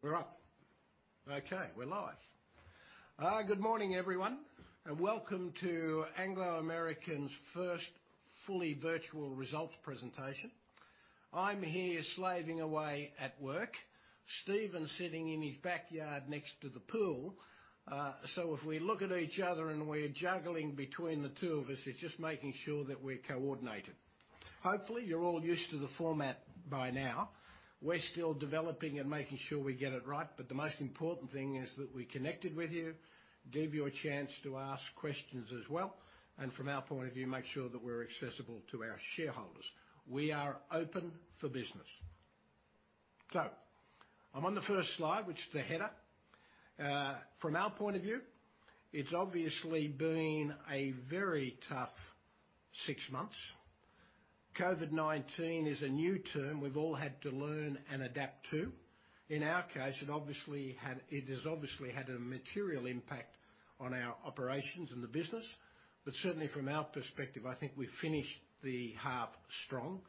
We're up. Okay, we're live. Good morning, everyone, welcome to Anglo American's First Fully Virtual Results Presentation. I'm here slaving away at work, Stephen's sitting in his backyard next to the pool. If we look at each other and we're juggling between the two of us, it's just making sure that we're coordinated. Hopefully, you're all used to the format by now. We're still developing and making sure we get it right, the most important thing is that we connected with you, gave you a chance to ask questions as well, from our point of view, make sure that we're accessible to our shareholders. We are open for business. I'm on the first slide, which is the header. From our point of view, it's obviously been a very tough six months. COVID-19 is a new term we've all had to learn and adapt to. In our case, it has obviously had a material impact on our operations and the business. Certainly, from our perspective, I think we finished the half strong,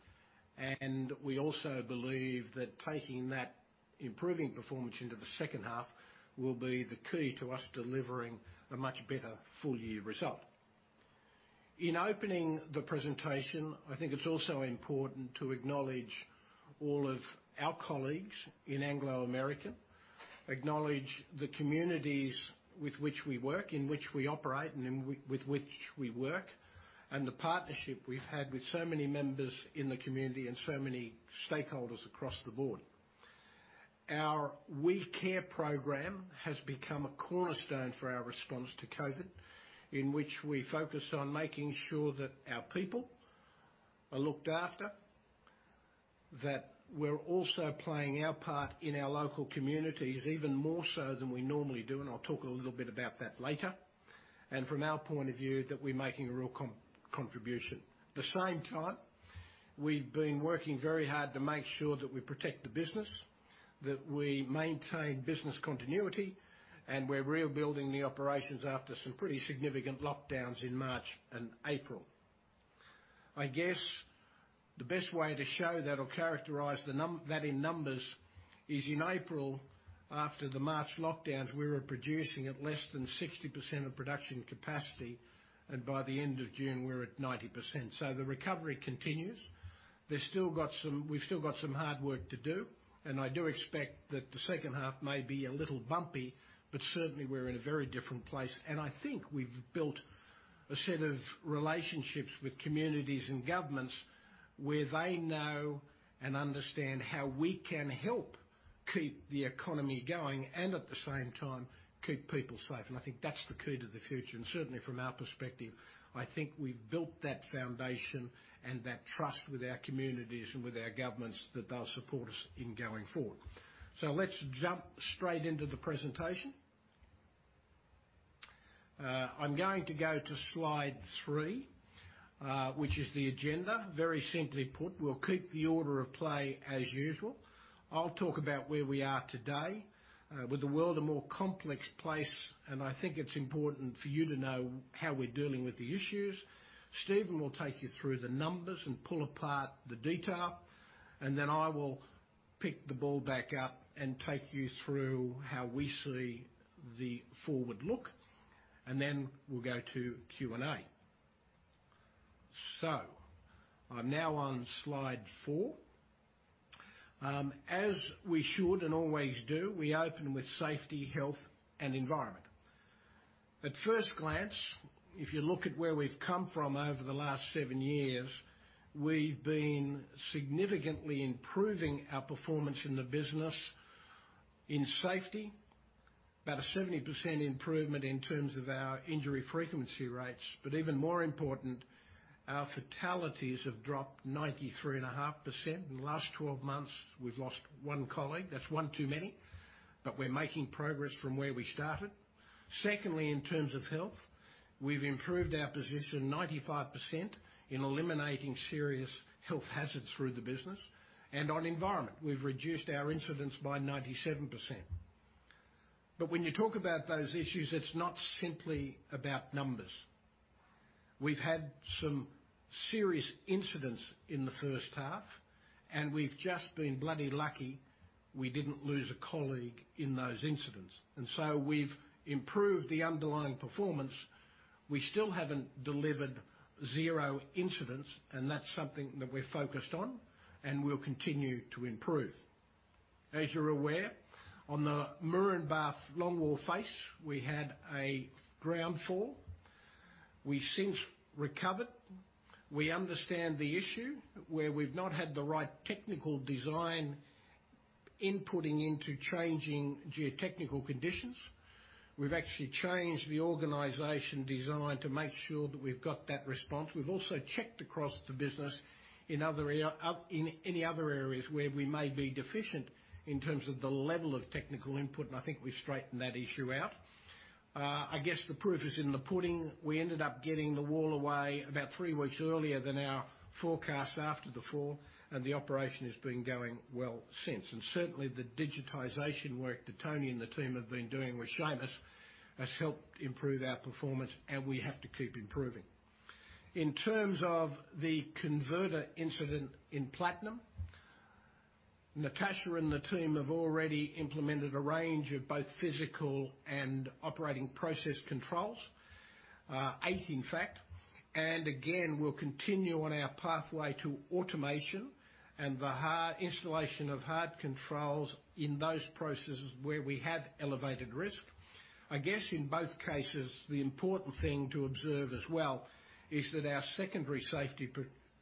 and we also believe that taking that improving performance into the second half will be the key to us delivering a much better full-year result. In opening the presentation, I think it's also important to acknowledge all of our colleagues in Anglo American, acknowledge the communities with which we work, in which we operate, and with which we work, and the partnership we've had with so many members in the community and so many stakeholders across the board. Our WeCare program has become a cornerstone for our response to COVID, in which we focus on making sure that our people are looked after, that we're also playing our part in our local communities, even more so than we normally do. I'll talk a little bit about that later. From our point of view, that we're making a real contribution. At the same time, we've been working very hard to make sure that we protect the business, that we maintain business continuity, and we're rebuilding the operations after some pretty significant lockdowns in March and April. I guess the best way to show that or characterize that in numbers is in April, after the March lockdowns, we were producing at less than 60% of production capacity, and by the end of June, we're at 90%. The recovery continues. We've still got some hard work to do, I do expect that the second half may be a little bumpy, but certainly, we're in a very different place. I think we've built a set of relationships with communities and governments where they know and understand how we can help keep the economy going and at the same time keep people safe. I think that's the key to the future. Certainly, from our perspective, I think we've built that foundation and that trust with our communities and with our governments that they'll support us in going forward. Let's jump straight into the presentation. I'm going to go to slide three, which is the agenda. Very simply put, we'll keep the order of play as usual. I'll talk about where we are today. With the world a more complex place, and I think it's important for you to know how we're dealing with the issues. Stephen will take you through the numbers and pull apart the detail, and then I will pick the ball back up and take you through how we see the forward look, and then we'll go to Q&A. I'm now on slide four. As we should and always do, we open with safety, health, and environment. At first glance, if you look at where we've come from over the last seven years, we've been significantly improving our performance in the business. In safety, about a 70% improvement in terms of our injury frequency rates, but even more important, our fatalities have dropped 93.5%. In the last 12 months, we've lost one colleague. That's one too many, but we're making progress from where we started. Secondly, in terms of health, we've improved our position 95% in eliminating serious health hazards through the business. On environment, we've reduced our incidents by 97%. When you talk about those issues, it's not simply about numbers. We've had some serious incidents in the first half, and we've just been bloody lucky we didn't lose a colleague in those incidents. We've improved the underlying performance. We still haven't delivered zero incidents, and that's something that we're focused on and we'll continue to improve. As you're aware, on the Moranbah longwall face, we had a ground fall. We since recovered. We understand the issue where we've not had the right technical design inputting into changing geotechnical conditions. We've actually changed the organization design to make sure that we've got that response. We've also checked across the business in any other areas where we may be deficient in terms of the level of technical input. I think we straightened that issue out. I guess the proof is in the pudding. We ended up getting the wall away about three weeks earlier than our forecast after the fall. The operation has been going well since. Certainly, the digitization work that Tony and the team have been doing with Seamus has helped improve our performance. We have to keep improving. In terms of the converter incident in Platinum, Natascha and the team have already implemented a range of both physical and operating process controls. Eight, in fact. Again, we'll continue on our pathway to automation and the installation of hard controls in those processes where we have elevated risk. I guess, in both cases, the important thing to observe as well is that our secondary safety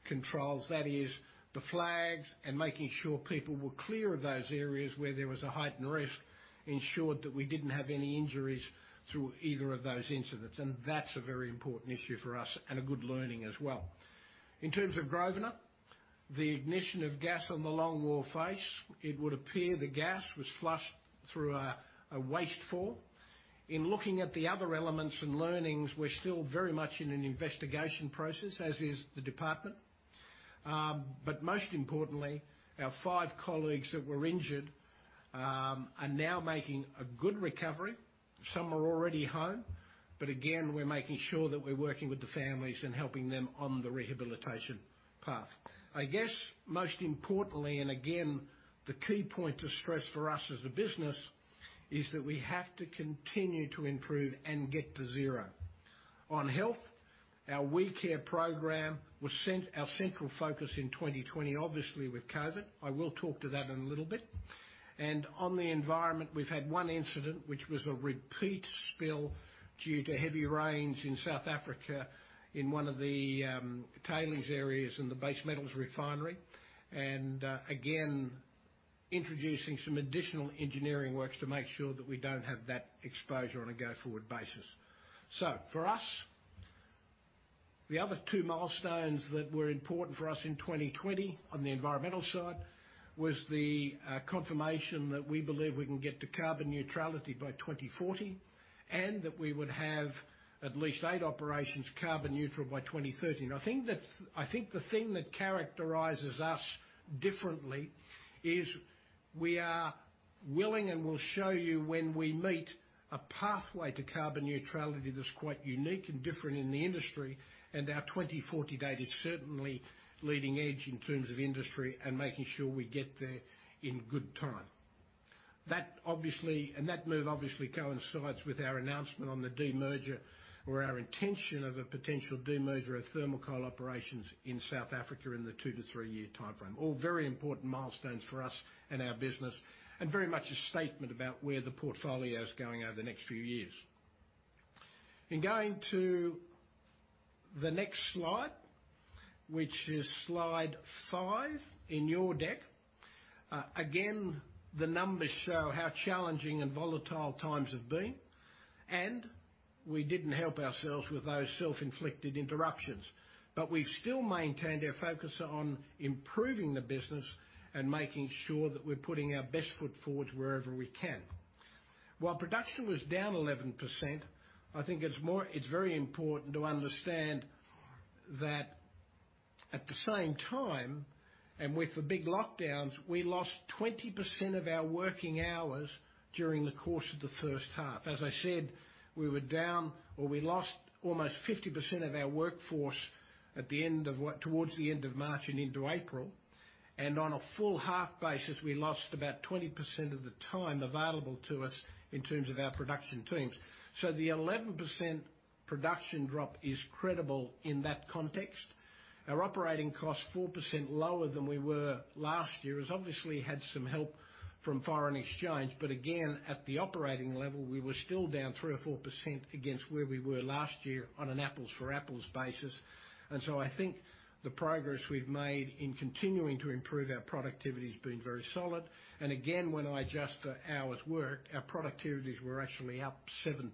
controls, that is the flags and making sure people were clear of those areas where there was a heightened risk, ensured that we didn't have any injuries through either of those incidents. That's a very important issue for us and a good learning as well. In terms of Grosvenor, the ignition of gas on the longwall face, it would appear the gas was flushed through a waste fall. In looking at the other elements and learnings, we're still very much in an investigation process, as is the department. Most importantly, our five colleagues that were injured are now making a good recovery. Some are already home. Again, we're making sure that we're working with the families and helping them on the rehabilitation path. I guess, most importantly, again, the key point to stress for us as a business is that we have to continue to improve and get to zero. On health, our WeCare program was our central focus in 2020, obviously with COVID. I will talk to that in a little bit. On the environment, we've had one incident, which was a repeat spill due to heavy rains in South Africa in one of the tailings areas in the base metals refinery. Again, introducing some additional engineering works to make sure that we don't have that exposure on a go-forward basis. For us, the other two milestones that were important for us in 2020 on the environmental side was the confirmation that we believe we can get to carbon neutrality by 2040, and that we would have at least eight operations carbon neutral by 2030. I think the thing that characterizes us differently is we are willing and we'll show you when we meet a pathway to carbon neutrality that's quite unique and different in the industry. Our 2040 date is certainly leading edge in terms of industry and making sure we get there in good time. That move obviously coincides with our announcement on the demerger or our intention of a potential demerger of Thermal Coal operations in South Africa in the two to three-year timeframe. All very important milestones for us and our business, and very much a statement about where the portfolio is going over the next few years. In going to the next slide, which is slide five in your deck. Again, the numbers show how challenging and volatile times have been. We didn't help ourselves with those self-inflicted interruptions. We've still maintained our focus on improving the business and making sure that we're putting our best foot forward wherever we can. While production was down 11%, I think it's very important to understand that at the same time, and with the big lockdowns, we lost 20% of our working hours during the course of the first half. As I said, we were down or we lost almost 50% of our workforce towards the end of March and into April. On a full half basis, we lost about 20% of the time available to us in terms of our production teams. The 11% production drop is credible in that context. Our operating cost, 4% lower than we were last year, has obviously had some help from foreign exchange. Again, at the operating level, we were still down 3% or 4% against where we were last year on an apples-for-apples basis. I think the progress we've made in continuing to improve our productivity has been very solid. Again, when I adjust the hours worked, our productivities were actually up 7%.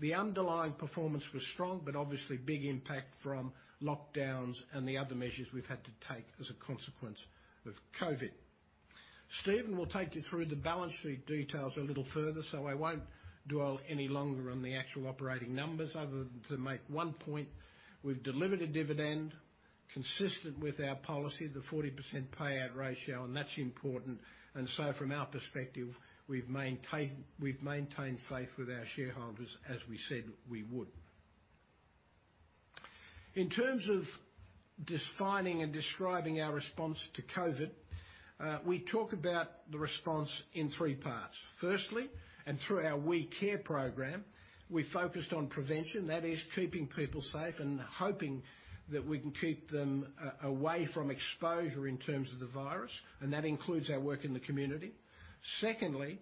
The underlying performance was strong, but obviously big impact from lockdowns and the other measures we've had to take as a consequence of COVID. Stephen will take you through the balance sheet details a little further, I won't dwell any longer on the actual operating numbers other than to make one point. We've delivered a dividend consistent with our policy of the 40% payout ratio, that's important. From our perspective, we've maintained faith with our shareholders as we said we would. In terms of defining and describing our response to COVID, we talk about the response in three parts. Firstly, and through our WeCare program, we focused on prevention, that is keeping people safe and hoping that we can keep them away from exposure in terms of the virus, and that includes our work in the community. Secondly,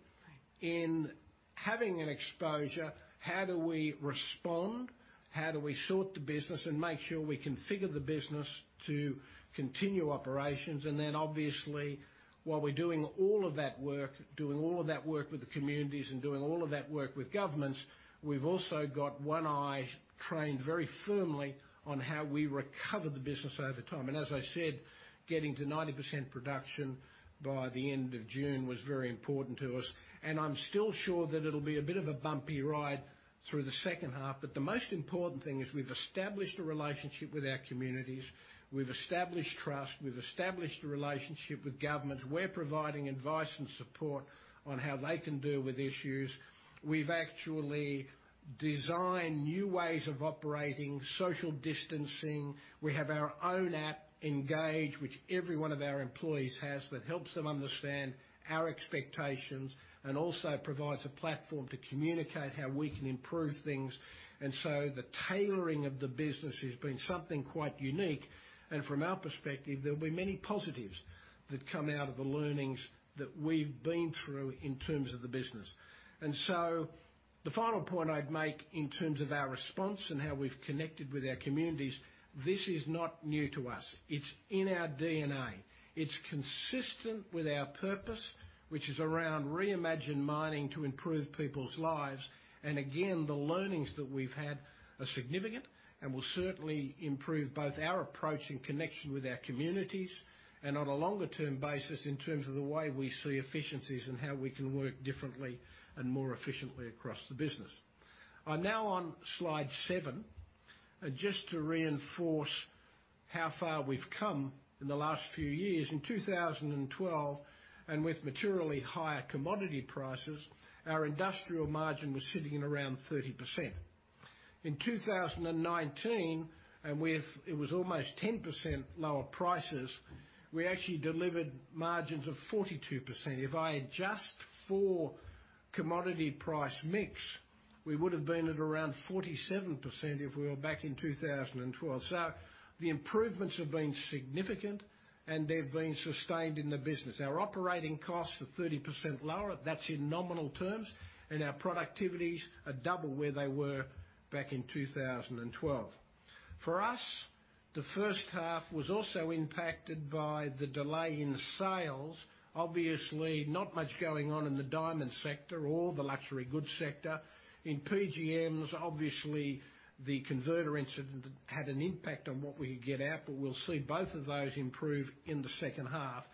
in having an exposure, how do we respond? How do we sort the business and make sure we configure the business to continue operations? Obviously, while we're doing all of that work with the communities and doing all of that work with governments, we've also got one eye trained very firmly on how we recover the business over time. As I said, getting to 90% production by the end of June was very important to us. I'm still sure that it'll be a bit of a bumpy ride through the second half. The most important thing is we've established a relationship with our communities. We've established trust. We've established a relationship with governments. We're providing advice and support on how they can deal with issues. We've actually, design new ways of operating social distancing. We have our own app, Engage, which every one of our employees has that helps them understand our expectations and also provides a platform to communicate how we can improve things. The tailoring of the business has been something quite unique. From our perspective, there'll be many positives that come out of the learnings that we've been through in terms of the business. The final point I'd make in terms of our response and how we've connected with our communities, this is not new to us. It's in our DNA. It's consistent with our purpose, which is around reimagined mining to improve people's lives. Again, the learnings that we've had are significant and will certainly improve both our approach in connection with our communities and on a longer-term basis in terms of the way we see efficiencies and how we can work differently and more efficiently across the business. I'm now on slide seven. Just to reinforce how far we've come in the last few years. In 2012, and with materially higher commodity prices, our industrial margin was sitting at around 30%. In 2019, it was almost 10% lower prices, we actually delivered margins of 42%. If I adjust for commodity price mix, we would have been at around 47% if we were back in 2012. The improvements have been significant, and they've been sustained in the business. Our operating costs are 30% lower, that's in nominal terms, and our productivities are double where they were back in 2012. For us, the first half was also impacted by the delay in sales. Obviously, not much going on in the diamond sector or the luxury goods sector. In PGMs, obviously, the converter incident had an impact on what we could get out, but we'll see both of those improve in the second half.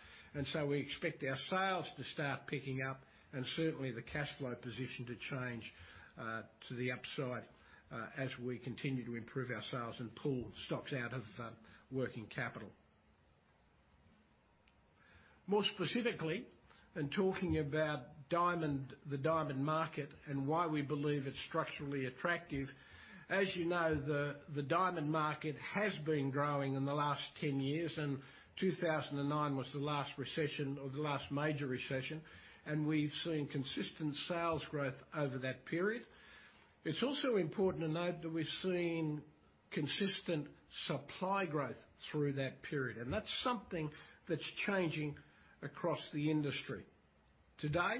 We expect our sales to start picking up and certainly the cash flow position to change to the upside as we continue to improve our sales and pull stocks out of working capital. More specifically, in talking about the diamond market and why we believe it's structurally attractive. As you know, the diamond market has been growing in the last 10 years, 2009 was the last recession or the last major recession, and we've seen consistent sales growth over that period. It's also important to note that we've seen consistent supply growth through that period, and that's something that's changing across the industry. Today,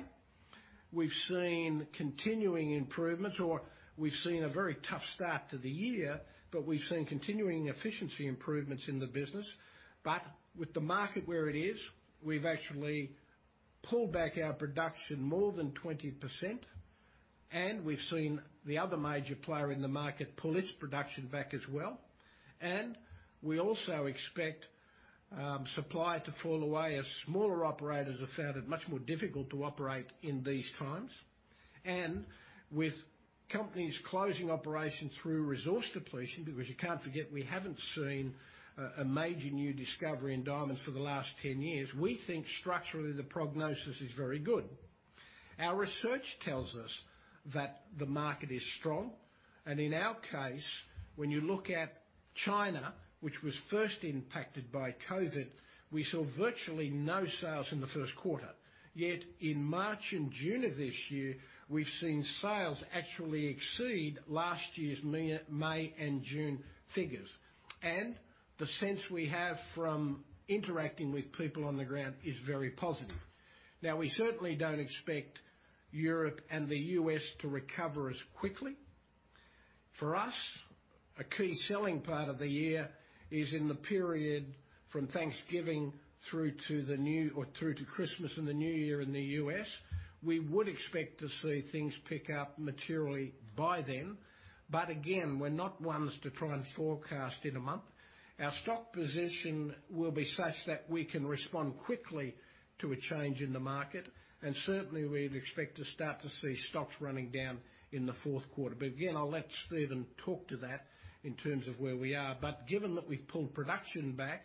we've seen continuing improvements or we've seen a very tough start to the year, but we've seen continuing efficiency improvements in the business. With the market where it is, we've actually pulled back our production more than 20%, and we've seen the other major player in the market pull its production back as well. We also expect supply to fall away as smaller operators have found it much more difficult to operate in these times. With companies closing operations through resource depletion, because you can't forget, we haven't seen a major new discovery in diamonds for the last 10 years. We think structurally the prognosis is very good. Our research tells us that the market is strong. In our case, when you look at China, which was first impacted by COVID, we saw virtually no sales in the first quarter. Yet in March and June of this year, we've seen sales actually exceed last year's May and June figures. The sense we have from interacting with people on the ground is very positive. Now, we certainly don't expect Europe and the U.S. to recover as quickly. For us, a key selling part of the year is in the period from Thanksgiving through to Christmas and the New Year in the U.S. We would expect to see things pick up materially by then. Again, we're not ones to try and forecast in a month. Our stock position will be such that we can respond quickly to a change in the market, and certainly we'd expect to start to see stocks running down in the fourth quarter. Again, I'll let Stephen talk to that in terms of where we are. Given that we've pulled production back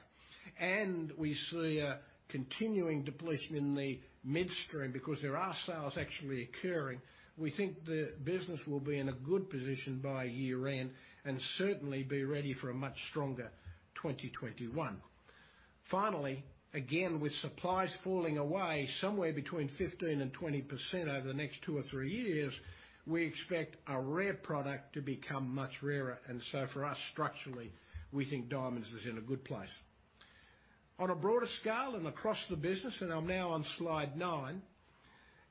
and we see a continuing depletion in the midstream because there are sales actually occurring, we think the business will be in a good position by year-end and certainly be ready for a much stronger 2021. Finally, again, with supplies falling away somewhere between 15% and 20% over the next two or three years, we expect a rare product to become much rarer. For us, structurally, we think diamonds is in a good place. On a broader scale and across the business, I'm now on slide nine,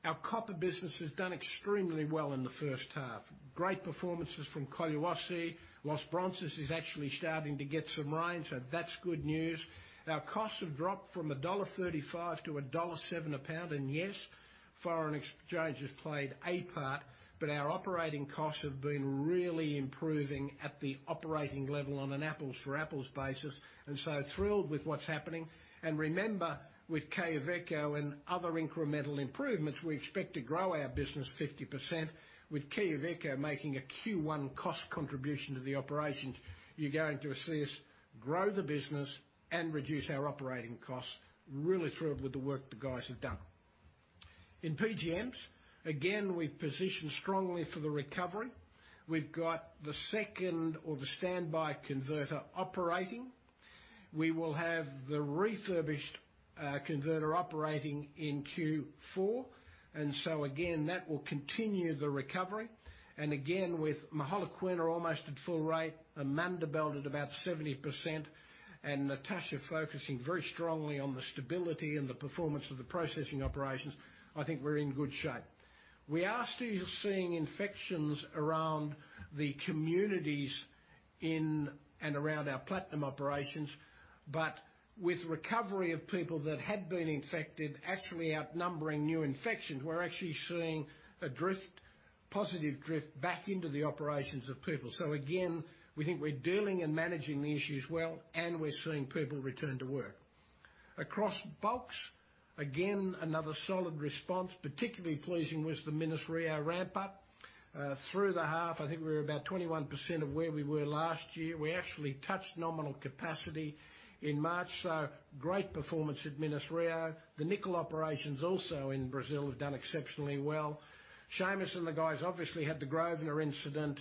our copper business has done extremely well in the first half. Great performances from Collahuasi. Los Bronces is actually starting to get some rain, That's good news. Our costs have dropped from $1.35-$1.7 a pound. Yes, foreign exchange has played a part, our operating costs have been really improving at the operating level on an apples-for-apples basis, thrilled with what's happening. Remember, with Quellaveco and other incremental improvements, we expect to grow our business 50%, with Quellaveco making a Q1 cost contribution to the operations. You're going to see us grow the business and reduce our operating costs. Really thrilled with the work the guys have done. In PGMs, again, we've positioned strongly for the recovery. We've got the second or the standby converter operating. We will have the refurbished converter operating in Q4. Again, that will continue the recovery. Again, with Mogalakwena almost at full rate, Amandelbult at about 70%, Natascha focusing very strongly on the stability and the performance of the processing operations, I think we're in good shape. We are still seeing infections around the communities in and around our platinum operations, with recovery of people that had been infected actually outnumbering new infections, we're actually seeing a positive drift back into the operations of people. Again, we think we're dealing and managing the issues well, we're seeing people return to work. Across Bulks, again, another solid response, particularly pleasing was the Minas Rio ramp up. Through the half, I think we're about 21% of where we were last year. We actually touched nominal capacity in March, great performance at Minas Rio. The nickel operations also in Brazil have done exceptionally well. Seamus and the guys obviously had the Grosvenor incident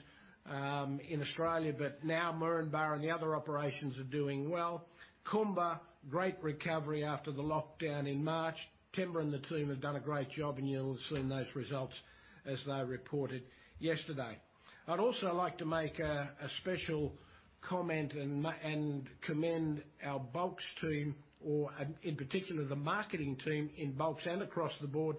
in Australia, now Moranbah and the other operations are doing well. Kumba, great recovery after the lockdown in March. Themba and the team have done a great job, you'll have seen those results as they reported yesterday. I'd also like to make a special comment and commend our Bulks team, or in particular, the marketing team in Bulks and across the board.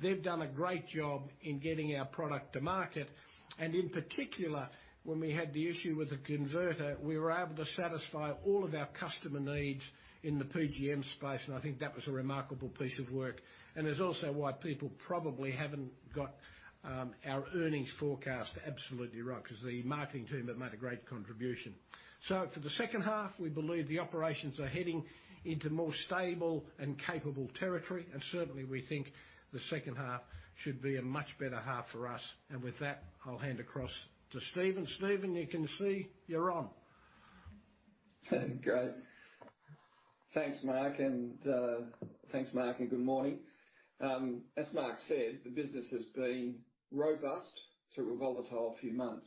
They've done a great job in getting our product to market. In particular, when we had the issue with the converter, we were able to satisfy all of our customer needs in the PGM space, and I think that was a remarkable piece of work. Is also why people probably haven't got our earnings forecast absolutely right, because the marketing team have made a great contribution. For the second half, we believe the operations are heading into more stable and capable territory, and certainly, we think the second half should be a much better half for us. With that, I'll hand across to Stephen. Stephen, you can see you're on. Great. Thanks, Mark. Good morning. As Mark said, the business has been robust through a volatile few months.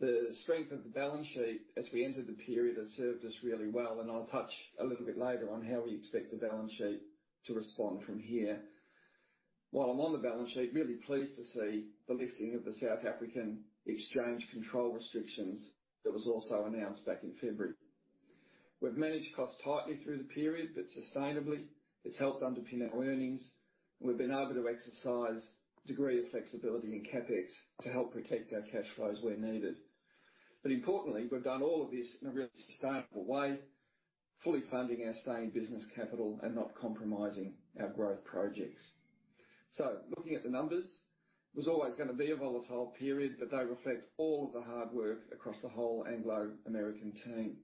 The strength of the balance sheet as we entered the period has served us really well, and I'll touch a little bit later on how we expect the balance sheet to respond from here. While I'm on the balance sheet, really pleased to see the lifting of the South African exchange control restrictions that was also announced back in February. We've managed costs tightly through the period, but sustainably. It's helped underpin our earnings, and we've been able to exercise a degree of flexibility in CapEx to help protect our cash flows where needed. Importantly, we've done all of this in a really sustainable way, fully funding our sustained business capital and not compromising our growth projects. Looking at the numbers, it was always going to be a volatile period, but they reflect all the hard work across the whole Anglo American team.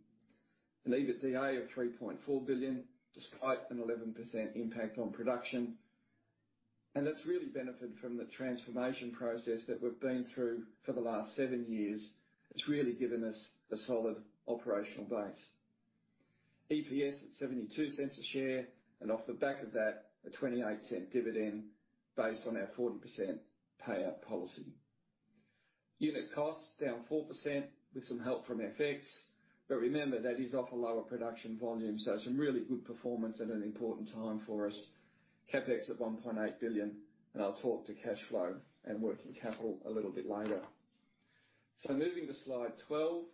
EBITDA of $3.4 billion, despite an 11% impact on production. That's really benefited from the transformation process that we've been through for the last seven years. It's really given us a solid operational base. EPS at $0.72 a share, and off the back of that, a $0.28 dividend based on our 40% payout policy. Unit costs down 4% with some help from FX, but remember, that is off a lower production volume, so some really good performance at an important time for us. CapEx at $1.8 billion, and I'll talk to cash flow and working capital a little bit later. Moving to slide 12,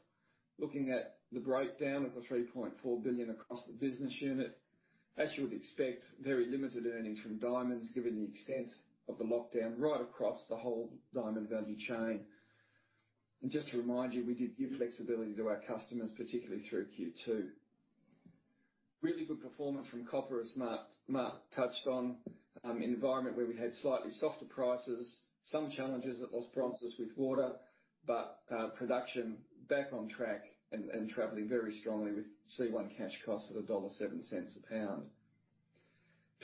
looking at the breakdown of the $3.4 billion across the business unit. As you would expect, very limited earnings from diamonds, given the extent of the lockdown right across the whole diamond value chain. Just to remind you, we did give flexibility to our customers, particularly through Q2. Really good performance from copper, as Mark touched on, an environment where we had slightly softer prices, some challenges at Los Bronces with water, production back on track and traveling very strongly with C1 cash costs of $1.07 a pound.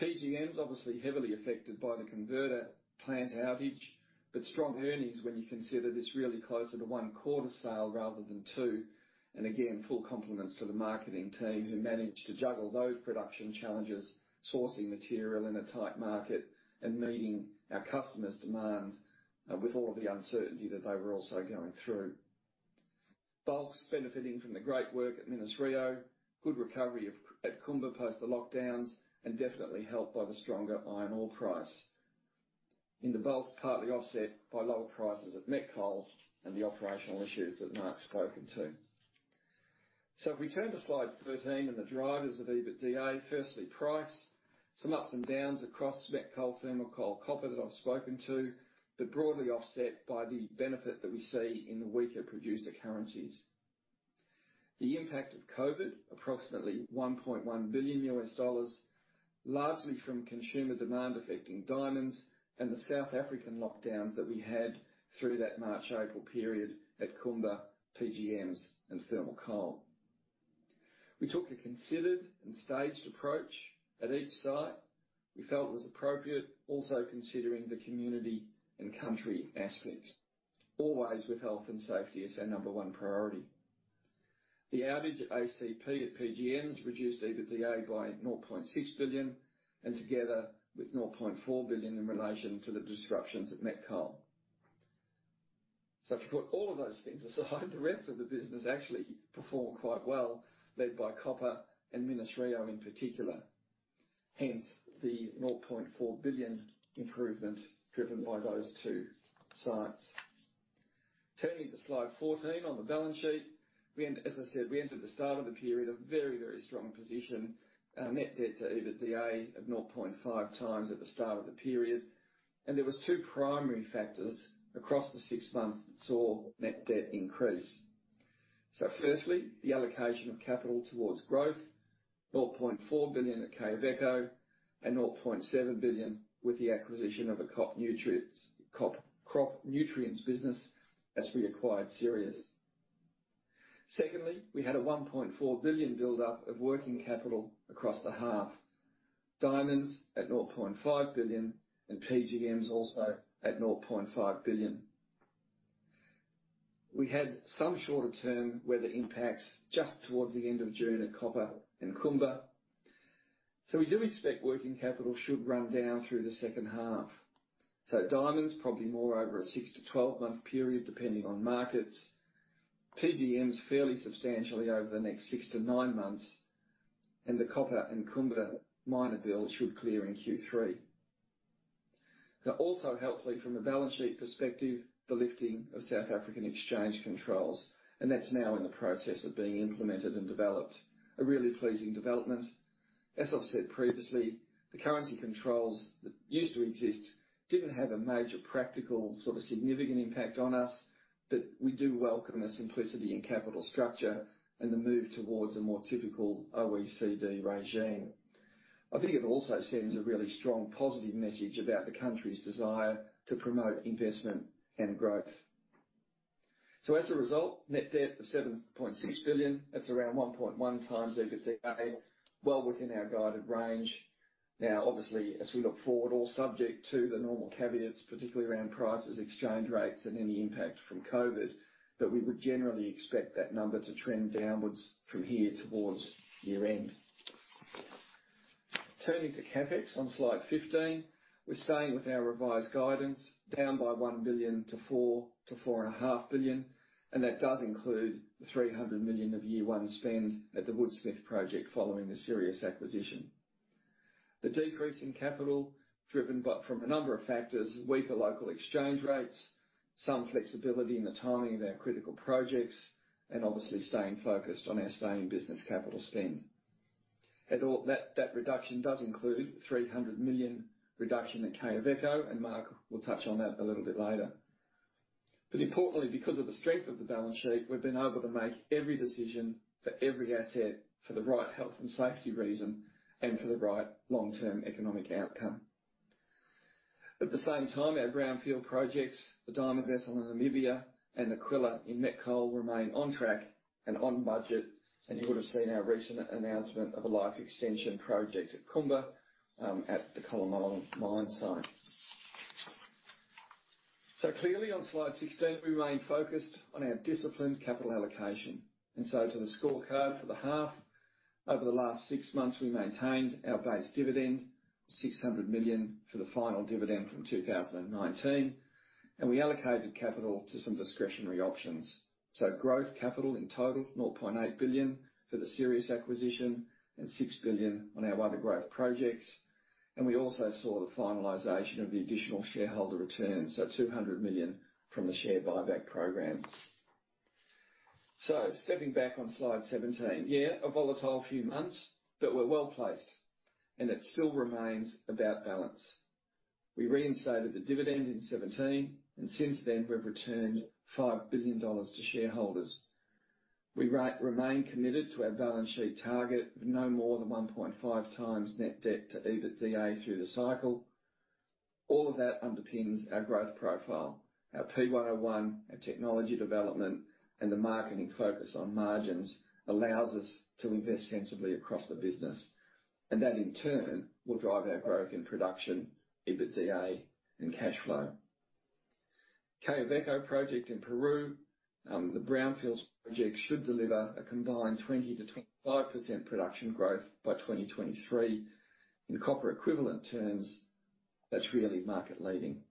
PGMs obviously heavily affected by the converter plant outage, strong earnings when you consider this really closer to one-quarter sale rather than two. Again, full compliments to the marketing team who managed to juggle those production challenges, sourcing material in a tight market, and meeting our customers' demand with all of the uncertainty that they were also going through. Bulks benefiting from the great work at Minas Rio, good recovery at Kumba post the lockdowns, and definitely helped by the stronger iron ore price. In the Bulks, partly offset by lower prices at Met Coal and the operational issues that Mark's spoken to. If we turn to slide 13 and the drivers of EBITDA, firstly, price, some ups and downs across Met Coal, Thermal Coal, copper that I've spoken to, but broadly offset by the benefit that we see in the weaker producer currencies. The impact of COVID-19, approximately $1.1 billion, largely from consumer demand affecting diamonds and the South African lockdowns that we had through that March-April period at Kumba, PGMs, and Thermal Coal. We took a considered and staged approach at each site we felt was appropriate, also considering the community and country aspects, always with health and safety as our number one priority. The outage at ACP at PGMs reduced EBITDA by $0.6 billion and together with $0.4 billion in relation to the disruptions at Met Coal. If you put all of those things aside, the rest of the business actually performed quite well, led by copper and Minas Rio in particular, hence the $0.4 billion improvement driven by those two sites. Turning to slide 14 on the balance sheet. As I said, we entered the start of the period, a very strong position, our net debt to EBITDA of 0.5x at the start of the period. There was two primary factors across the six months that saw net debt increase. Firstly, the allocation of capital towards growth, $0.4 billion at Quellaveco and $0.7 billion with the acquisition of the Crop Nutrients business as we acquired Sirius. Secondly, we had a $1.4 billion buildup of working capital across the half. Diamonds at $0.5 billion and PGMs also at $0.5 billion. We had some shorter-term weather impacts just towards the end of June at copper and Kumba. We do expect working capital should run down through the second half. Diamonds, probably more over a 6-12-month period, depending on markets, PGMs fairly substantially over the next six to nine months, and the copper and Kumba minor build should clear in Q3. Also helpfully, from a balance sheet perspective, the lifting of South African exchange controls, and that's now in the process of being implemented and developed. A really pleasing development. As I've said previously, the currency controls that used to exist didn't have a major practical sort of significant impact on us, but we do welcome the simplicity in capital structure and the move towards a more typical OECD regime. As a result, net debt of $7.6 billion, that's around 1.1x EBITDA, well within our guided range. Obviously, as we look forward, all subject to the normal caveats, particularly around prices, exchange rates, and any impact from COVID, but we would generally expect that number to trend downwards from here towards year-end. Turning to CapEx on slide 15. We're staying with our revised guidance, down by $1 billion-$4 billion-$4.5 billion, and that does include the $300 million of year one spends at the Woodsmith project following the Sirius acquisition. The decrease in capital driven by a number of factors, weaker local exchange rates, some flexibility in the timing of our critical projects, and obviously staying focused on our sustaining business capital spend. That reduction does include $300 million reduction at Quellaveco, and Mark will touch on that a little bit later. Importantly, because of the strength of the balance sheet, we've been able to make every decision for every asset for the right health and safety reason and for the right long-term economic outcome. At the same time, our brownfield projects, the diamond vessel in Namibia and Aquila in Met Coal remain on track and on budget, and you would have seen our recent announcement of a life extension project at Kumba, at the Kolomela mine site. Clearly on slide 16, we remain focused on our disciplined capital allocation. To the scorecard for the half. Over the last six months, we maintained our base dividend, $600 million for the final dividend from 2019, and we allocated capital to some discretionary options. Growth capital in total, $0.8 billion for the Sirius acquisition and $6 billion on our other growth projects. We also saw the finalization of the additional shareholder returns, so $200 million from the share buyback program. Stepping back on slide 17. Yeah, a volatile few months, but we're well-placed and it still remains about balance. We reinstated the dividend in 2017. Since then, we've returned $5 billion to shareholders. We remain committed to our balance sheet target of no more than 1.5x net debt to EBITDA through the cycle. All of that underpins our growth profile. Our P101, our technology development, and the marketing focus on margins allows us to invest sensibly across the business, and that in turn will drive our growth in production, EBITDA, and cash flow. Quellaveco project in Peru, the brownfields project should deliver a combined 20%-25% production growth by 2023. In copper equivalent terms, that's really market leading.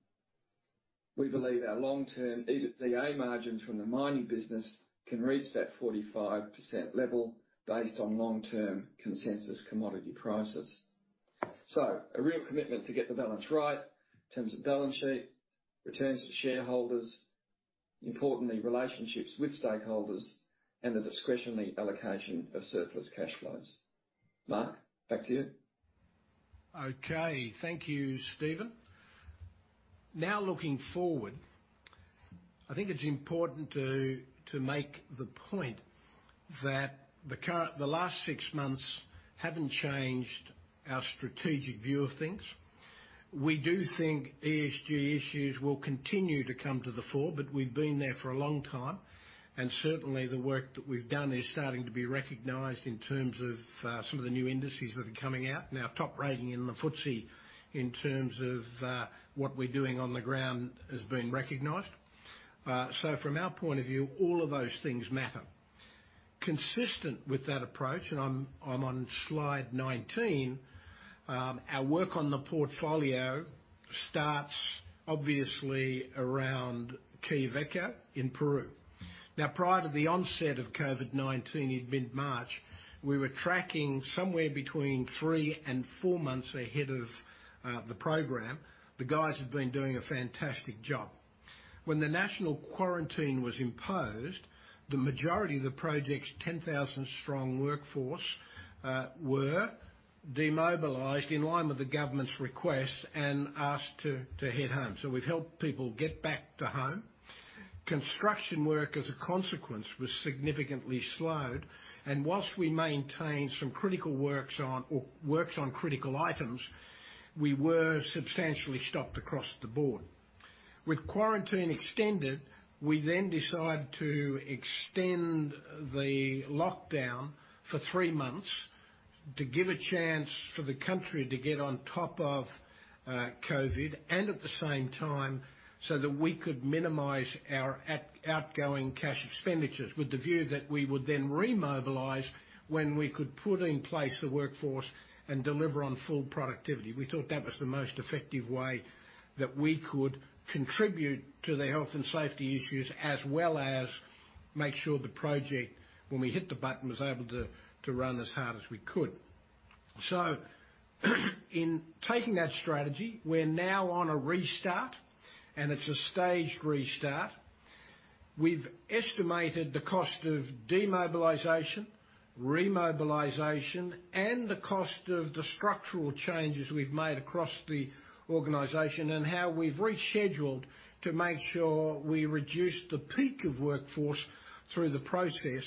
We believe our long-term EBITDA margins from the mining business can reach that 45% level based on long-term consensus commodity prices. A real commitment to get the balance right in terms of balance sheet, returns to shareholders, importantly relationships with stakeholders, and the discretionary allocation of surplus cash flows. Mark, back to you. Okay. Thank you, Stephen. Looking forward, I think it's important to make the point that the last six months haven't changed our strategic view of things. We do think ESG issues will continue to come to the fore, but we've been there for a long time, and certainly the work that we've done is starting to be recognized in terms of some of the new industries that are coming out. Our top rating in the FTSE in terms of what we're doing on the ground has been recognized. From our point of view, all of those things matter. Consistent with that approach, and I'm on slide 19, our work on the portfolio starts obviously around Quellaveco in Peru. Prior to the onset of COVID-19 in mid-March, we were tracking somewhere between three and four months ahead of the program. The guys have been doing a fantastic job. When the national quarantine was imposed, the majority of the project's 10,000-strong workforce were demobilized in line with the government's request and asked to head home. We've helped people get back to home. Construction work, as a consequence, was significantly slowed, and whilst we maintained some works on critical items, we were substantially stopped across the board. With quarantine extended, we then decide to extend the lockdown for three months to give a chance for the country to get on top of COVID, and at the same time so that we could minimize our outgoing cash expenditures with the view that we would then remobilize when we could put in place the workforce and deliver on full productivity. We thought that was the most effective way that we could contribute to the health and safety issues, as well as make sure the project, when we hit the button, was able to run as hard as we could. In taking that strategy, we're now on a restart, and it's a staged restart. We've estimated the cost of demobilization, remobilization, and the cost of the structural changes we've made across the organization and how we've rescheduled to make sure we reduce the peak of workforce through the process.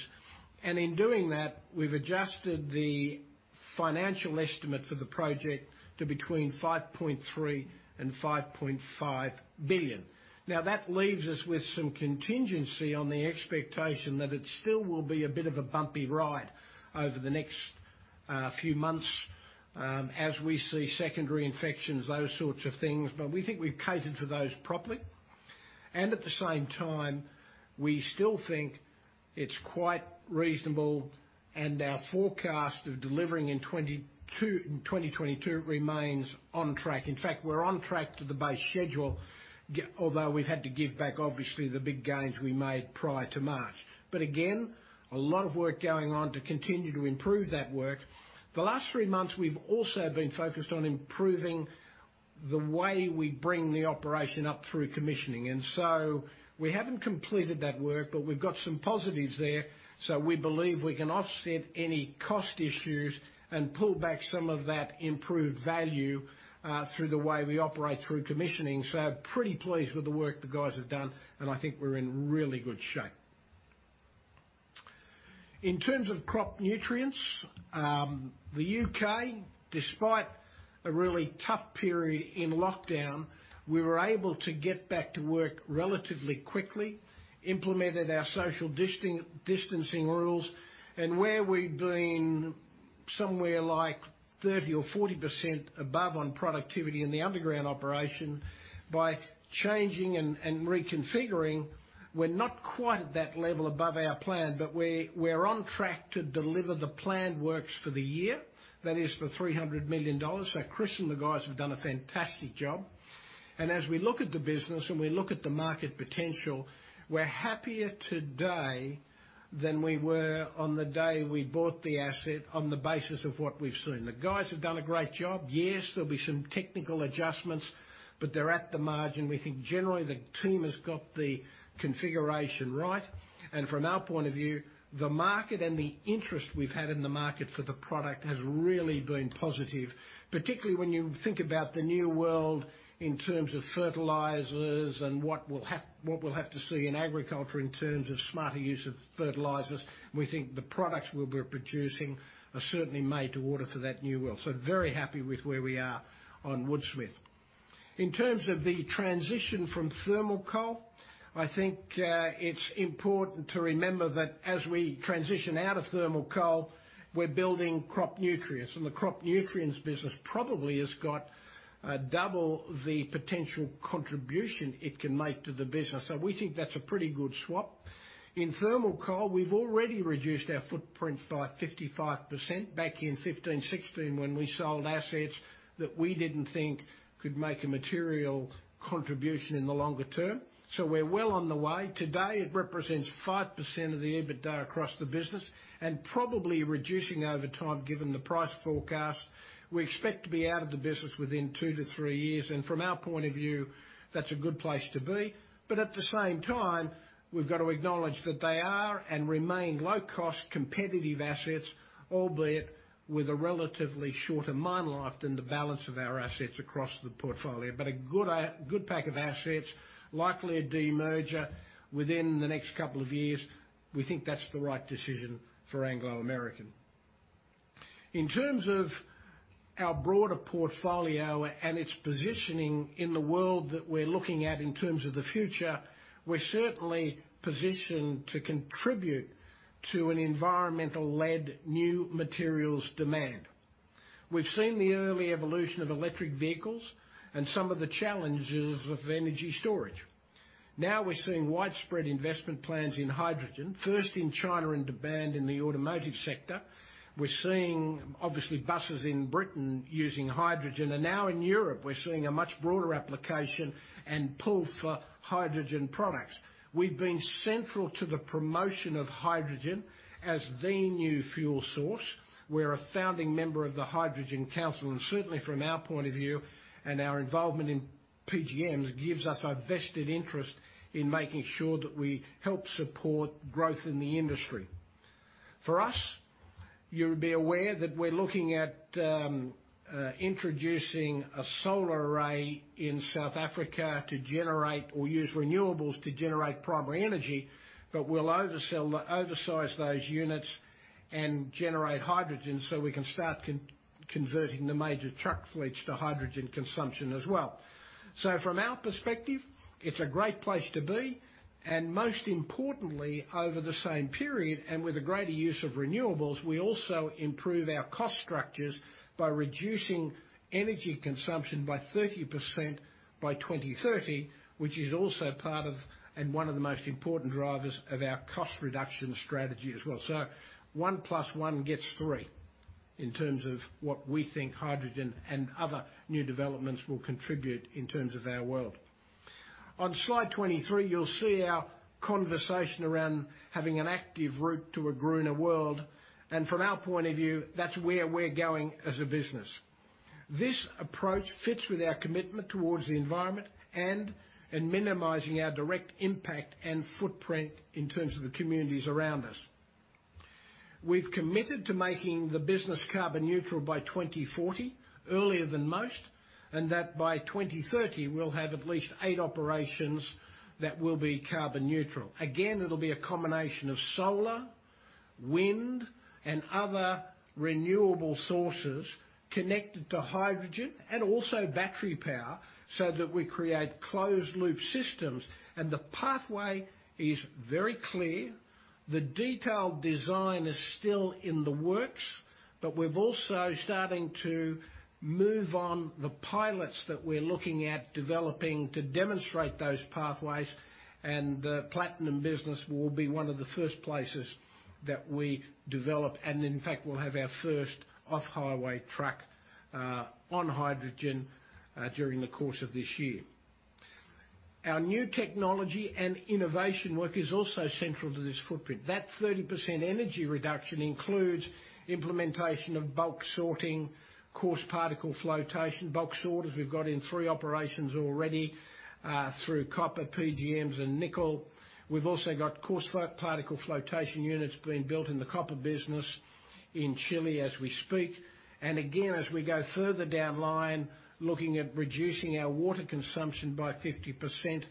In doing that, we've adjusted the financial estimate for the project to between $5.3 billion and $5.5 billion. That leaves us with some contingency on the expectation that it still will be a bit of a bumpy ride over the next few months as we see secondary infections, those sorts of things. We think we've catered for those properly. At the same time, we still think it's quite reasonable and our forecast of delivering in 2022 remains on track. In fact, we're on track to the base schedule, although we've had to give back, obviously, the big gains we made prior to March. Again, a lot of work going on to continue to improve that work. The last three months, we've also been focused on improving the way we bring the operation up through commissioning. We haven't completed that work, but we've got some positives there. Pretty pleased with the work the guys have done, and I think we're in really good shape. In terms of Crop Nutrients, the U.K., despite a really tough period in lockdown, we were able to get back to work relatively quickly, implemented our social distancing rules, and where we'd been somewhere like 30% or 40% above on productivity in the underground operation by changing and reconfiguring, we're not quite at that level above our plan, but we're on track to deliver the planned works for the year. That is for $300 million. Chris and the guys have done a fantastic job. As we look at the business and we look at the market potential, we're happier today than we were on the day we bought the asset on the basis of what we've seen. The guys have done a great job. Yes, there'll be some technical adjustments, but they're at the margin. We think generally the team has got the configuration right. From our point of view, the market and the interest we've had in the market for the product has really been positive, particularly when you think about the new world in terms of fertilizers and what we'll have to see in agriculture in terms of smarter use of fertilizers. We think the products we'll be producing are certainly made to order for that new world. Very happy with where we are on Woodsmith. In terms of the transition from Thermal Coal, I think it's important to remember that as we transition out of Thermal Coal, we're building Crop Nutrients. The Crop Nutrients business probably has got double the potential contribution it can make to the business. We think that's a pretty good swap. In Thermal Coal, we've already reduced our footprint by 55% back in 2015, 2016 when we sold assets that we didn't think could make a material contribution in the longer term. We're well on the way. Today, it represents 5% of the EBITDA across the business and probably reducing over time, given the price forecast. We expect to be out of the business within two to three years. From our point of view, that's a good place to be. At the same time, we've got to acknowledge that they are and remain low-cost, competitive assets, albeit with a relatively shorter mine life than the balance of our assets across the portfolio. A good pack of assets, likely a demerger within the next couple of years. We think that's the right decision for Anglo American. In terms of our broader portfolio and its positioning in the world that we're looking at in terms of the future, we're certainly positioned to contribute to an environmental-led new materials demand. We've seen the early evolution of electric vehicles and some of the challenges of energy storage. Now we're seeing widespread investment plans in hydrogen, first in China and demand in the automotive sector. We're seeing, obviously, buses in Britain using hydrogen, and now in Europe, we're seeing a much broader application and pull for hydrogen products. We've been central to the promotion of hydrogen as the new fuel source. We're a founding member of the Hydrogen Council, and certainly from our point of view and our involvement in PGMs gives us a vested interest in making sure that we help support growth in the industry. For us, you'll be aware that we're looking at introducing a solar array in South Africa to generate or use renewables to generate primary energy, but we'll oversize those units and generate hydrogen so we can start converting the major truck fleets to hydrogen consumption as well. From our perspective, it's a great place to be, and most importantly, over the same period, and with a greater use of renewables, we also improve our cost structures by reducing energy consumption by 30% by 2030, which is also part of and one of the most important drivers of our cost reduction strategy as well. One plus one gets three in terms of what we think hydrogen and other new developments will contribute in terms of our world. On slide 23, you'll see our conversation around having an active route to a greener world, and from our point of view, that's where we're going as a business. This approach fits with our commitment towards the environment and in minimizing our direct impact and footprint in terms of the communities around us. We've committed to making the business carbon neutral by 2040, earlier than most, and that by 2030, we'll have at least eight operations that will be carbon neutral. Again, it'll be a combination of solar, wind, and other renewable sources connected to hydrogen and also battery power so that we create closed-loop systems. The pathway is very clear. The detailed design is still in the works, but we're also starting to move on the pilots that we're looking at developing to demonstrate those pathways, and the platinum business will be one of the first places that we develop. In fact, we'll have our first off-highway truck, on hydrogen, during the course of this year. Our new technology and innovation work is also central to this footprint. That 30% energy reduction includes implementation of bulk sorting, coarse particle flotation. Bulk sorters we've got in three operations already, through copper, PGMs and nickel. We've also got coarse particle flotation units being built in the copper business in Chile as we speak. Again, as we go further down line, looking at reducing our water consumption by 50%.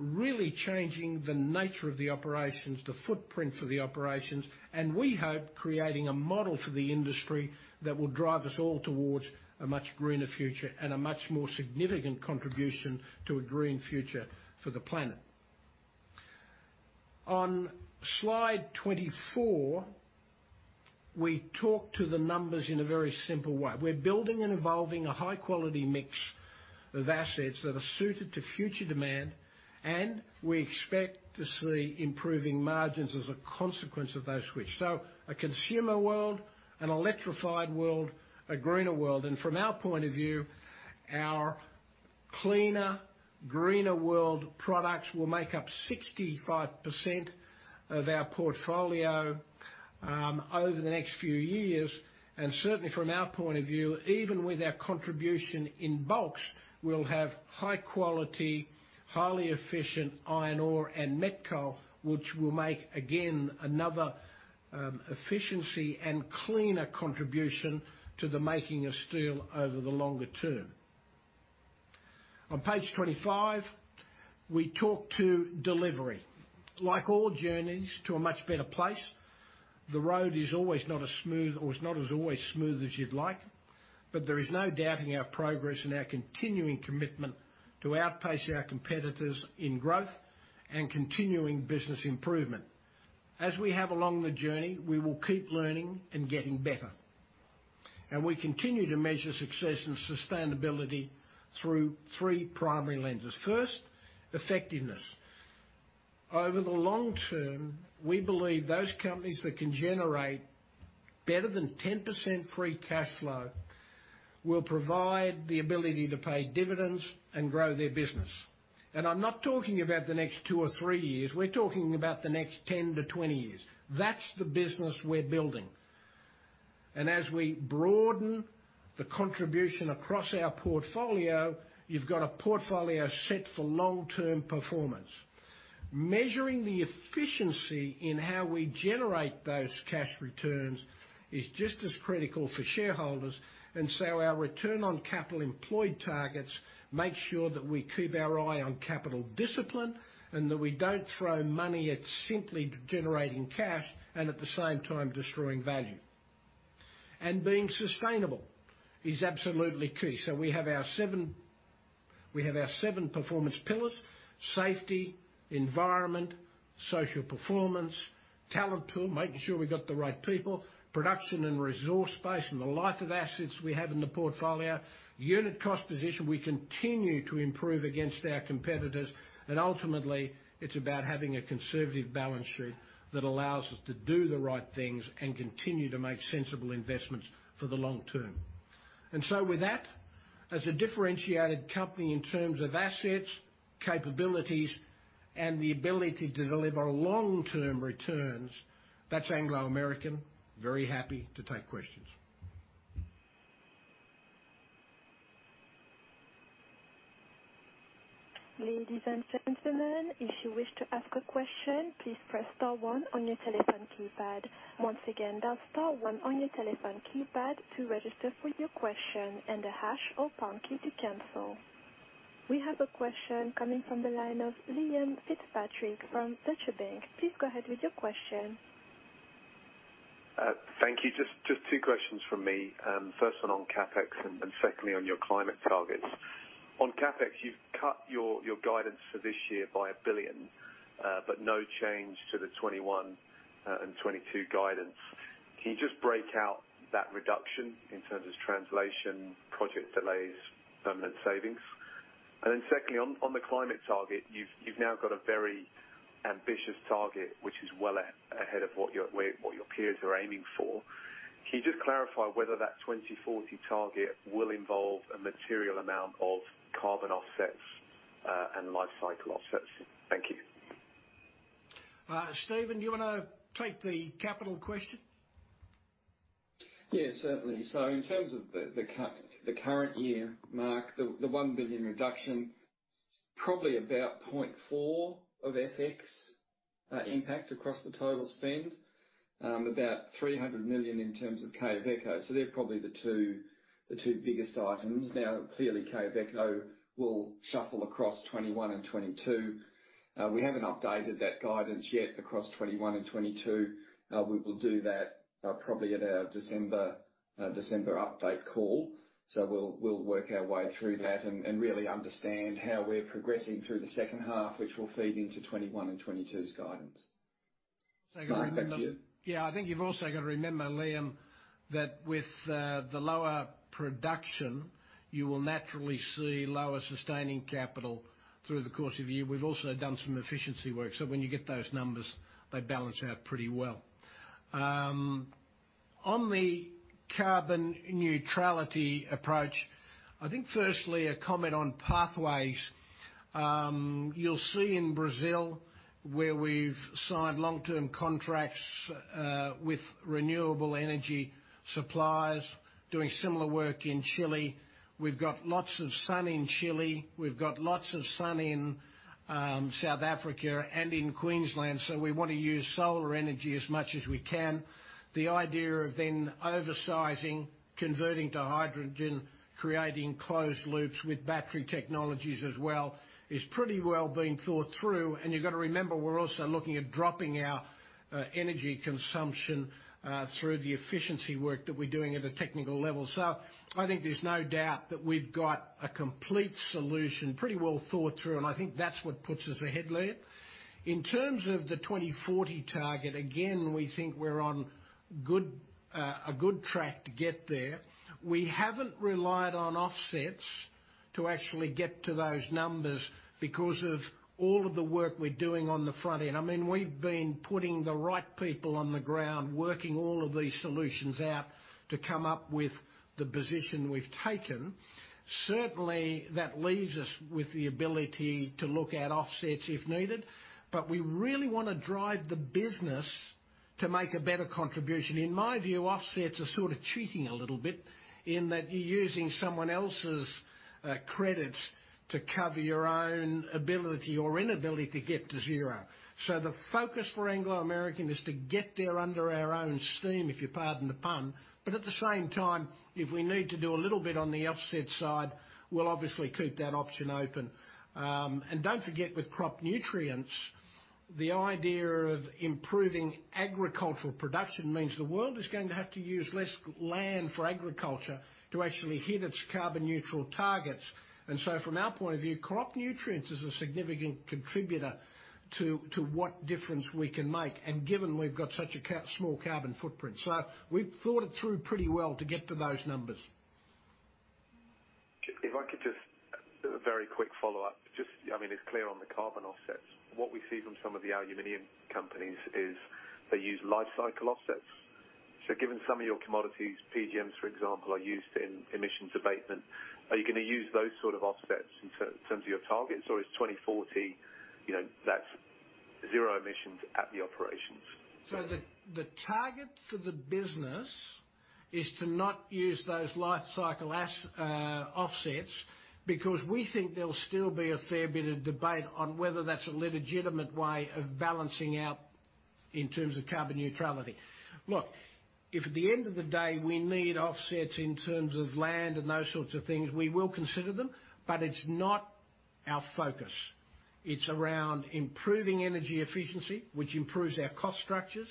Really changing the nature of the operations, the footprint for the operations, and we hope creating a model for the industry that will drive us all towards a much greener future and a much more significant contribution to a green future for the planet. On slide 24, we talk to the numbers in a very simple way. We're building and evolving a high-quality mix of assets that are suited to future demand, and we expect to see improving margins as a consequence of those shifts. A consumer world, an electrified world, a greener world. From our point of view, our cleaner, greener world products will make up 65% of our portfolio over the next few years. Certainly from our point of view, even with our contribution in bulks, we'll have high quality, highly efficient iron ore and met coal, which will make, again, another efficiency and cleaner contribution to the making of steel over the longer term. On page 25, we talk to delivery. Like all journeys to a much better place, the road is not as always smooth as you'd like, but there is no doubting our progress and our continuing commitment to outpace our competitors in growth and continuing business improvement. As we have along the journey, we will keep learning and getting better. We continue to measure success and sustainability through three primary lenses. First, effectiveness. Over the long term, we believe those companies that can generate better than 10% free cash flow will provide the ability to pay dividends and grow their business. I'm not talking about the next two or three years. We're talking about the next 10-20 years. That's the business we're building. As we broaden the contribution across our portfolio, you've got a portfolio set for long-term performance. Measuring the efficiency in how we generate those cash returns is just as critical for shareholders, and so our return on capital employed targets make sure that we keep our eye on capital discipline and that we don't throw money at simply generating cash and at the same time destroying value. Being sustainable is absolutely key. We have our seven performance pillars: safety, environment, social performance, talent pool, making sure we've got the right people, production and resource base, and the life of assets we have in the portfolio, unit cost position, we continue to improve against our competitors, and ultimately, it's about having a conservative balance sheet that allows us to do the right things and continue to make sensible investments for the long term. With that, as a differentiated company in terms of assets, capabilities, and the ability to deliver long-term returns, that's Anglo American. Very happy to take questions. Ladies and gentlemen, if you wish to ask a question, please press star one on your telephone keypad. Once again, dial star one on your telephone keypad to register for your question, and the hash or pound key to cancel. We have a question coming from the line of Liam Fitzpatrick from Deutsche Bank. Please go ahead with your question. Thank you. Just two questions from me. First one on CapEx, secondly on your climate targets. On CapEx, you've cut your guidance for this year by $1 billion, no change to the 2021 and 2022 guidance. Can you just break out that reduction in terms of translation, project delays, permanent savings? Secondly, on the climate target, you've now got a very ambitious target, which is well ahead of what your peers are aiming for. Can you just clarify whether that 2040 target will involve a material amount of carbon offsets, and life cycle offsets? Thank you. Stephen, do you want to take the capital question? Yeah, certainly. In terms of the current year, Mark, the $1 billion reduction, probably about 0.4 of FX impact across the total spend. About $300 million in terms of Quellaveco. They're probably the two biggest items. Clearly, Quellaveco will shuffle across 2021 and 2022. We haven't updated that guidance yet across 2021 and 2022. We will do that probably at our December update call. We'll work our way through that and really understand how we're progressing through the second half, which will feed into 2021 and 2022's guidance. You got to remember- No, back to you. Yeah, I think you've also got to remember, Liam, that with the lower production, you will naturally see lower sustaining capital through the course of the year. We've also done some efficiency work, so when you get those numbers, they balance out pretty well. On the carbon neutrality approach, I think firstly, a comment on pathways. You'll see in Brazil where we've signed long-term contracts with renewable energy suppliers, doing similar work in Chile. We've got lots of sun in Chile. We've got lots of sun in South Africa and in Queensland, so we want to use solar energy as much as we can. The idea of then oversizing, converting to hydrogen, creating closed loops with battery technologies as well, is pretty well being thought through. You've got to remember, we're also looking at dropping our energy consumption, through the efficiency work that we're doing at a technical levels up. I think there's no doubt that we've got a complete solution, pretty well thought through, and I think that's what puts us ahead, Liam. In terms of the 2040 target, again, we think we're on a good track to get there. We haven't relied on offsets to actually get to those numbers because of all of the work we're doing on the front end. We've been putting the right people on the ground, working all of these solutions out to come up with the position we've taken. Certainly, that leaves us with the ability to look at offsets if needed, but we really want to drive the business to make a better contribution. In my view, offsets are sort of cheating a little bit in that you're using someone else's credits to cover your own ability or inability to get to zero. The focus for Anglo American is to get there under our own steam, if you pardon the pun. At the same time, if we need to do a little bit on the offset side, we'll obviously keep that option open. Don't forget, with Crop Nutrients, the idea of improving agricultural production means the world is going to have to use less land for agriculture to actually hit its carbon neutral targets. From our point of view, Crop Nutrients is a significant contributor to what difference we can make, and given we've got such a small carbon footprint. We've thought it through pretty well to get to those numbers. If I could just, a very quick follow-up. Just, it's clear on the carbon offsets. What we see from some of the aluminum companies is they use life cycle offsets. Given some of your commodities, PGMs, for example, are used in emissions abatement, are you going to use those sort of offsets in terms of your targets? Is 2040, that's zero emissions at the operations? The target for the business is to not use those life cycle offsets because we think there'll still be a fair bit of debate on whether that's a legitimate way of balancing out in terms of carbon neutrality. If at the end of the day, we need offsets in terms of land and those sorts of things, we will consider them, but it's not our focus. It's around improving energy efficiency, which improves our cost structures.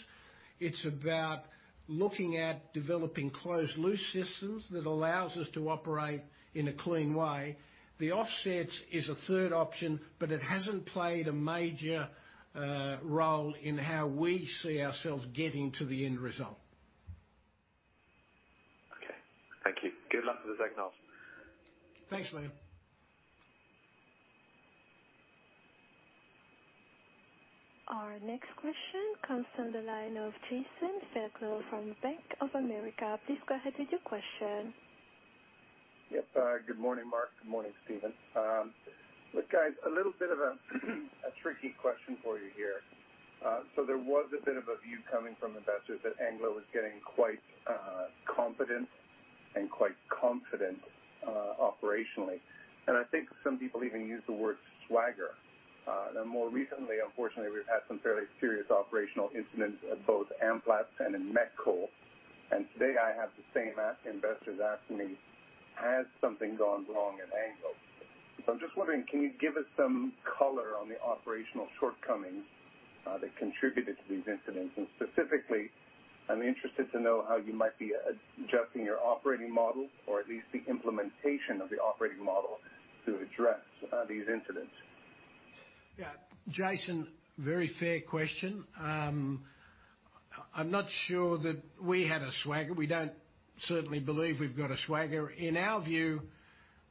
It's about looking at developing closed-loop systems that allows us to operate in a clean way. The offsets is a third option, but it hasn't played a major role in how we see ourselves getting to the end result. Okay. Thank you. Good luck with the technology. Thanks, Liam. Our next question comes from the line of Jason Fairclough from Bank of America. Please go ahead with your question. Yep. Good morning, Mark. Good morning, Stephen. Look, guys, a little bit of a tricky question for you here. There was a bit of a view coming from investors that Anglo was getting quite competent and quite confident operationally. I think some people even used the word swagger. More recently, unfortunately, we've had some fairly serious operational incidents at both Amplats and in Met Coal, and today I have the same investors asking me, "Has something gone wrong at Anglo?" I'm just wondering, can you give us some color on the operational shortcomings that contributed to these incidents? Specifically, I'm interested to know how you might be adjusting your operating model or at least the implementation of the operating model to address these incidents. Yeah. Jason, very fair question. I'm not sure that we had a swagger. We don't certainly believe we've got a swagger. In our view,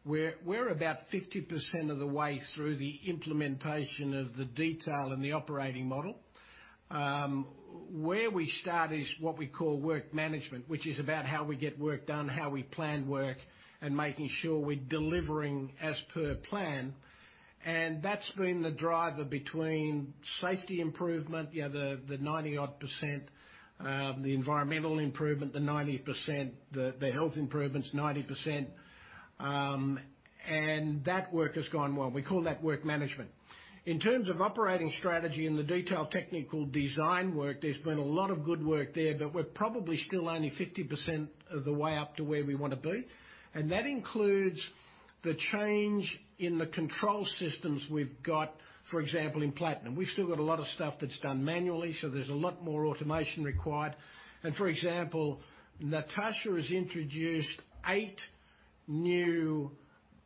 we're about 50% of the way through the implementation of the detail in the operating model. Where we start is what we call work management, which is about how we get work done, how we plan work, and making sure we're delivering as per plan. That's been the driver between safety improvement, the 90-odd percent, the environmental improvement, the 90%, the health improvements, 90%. That work has gone well. We call that work management. In terms of operating strategy and the detailed technical design work, there's been a lot of good work there, but we're probably still only 50% of the way up to where we want to be. That includes the change in the control systems we've got, for example, in platinum. We've still got a lot of stuff that's done manually, there's a lot more automation required. For example, Natascha has introduced eight new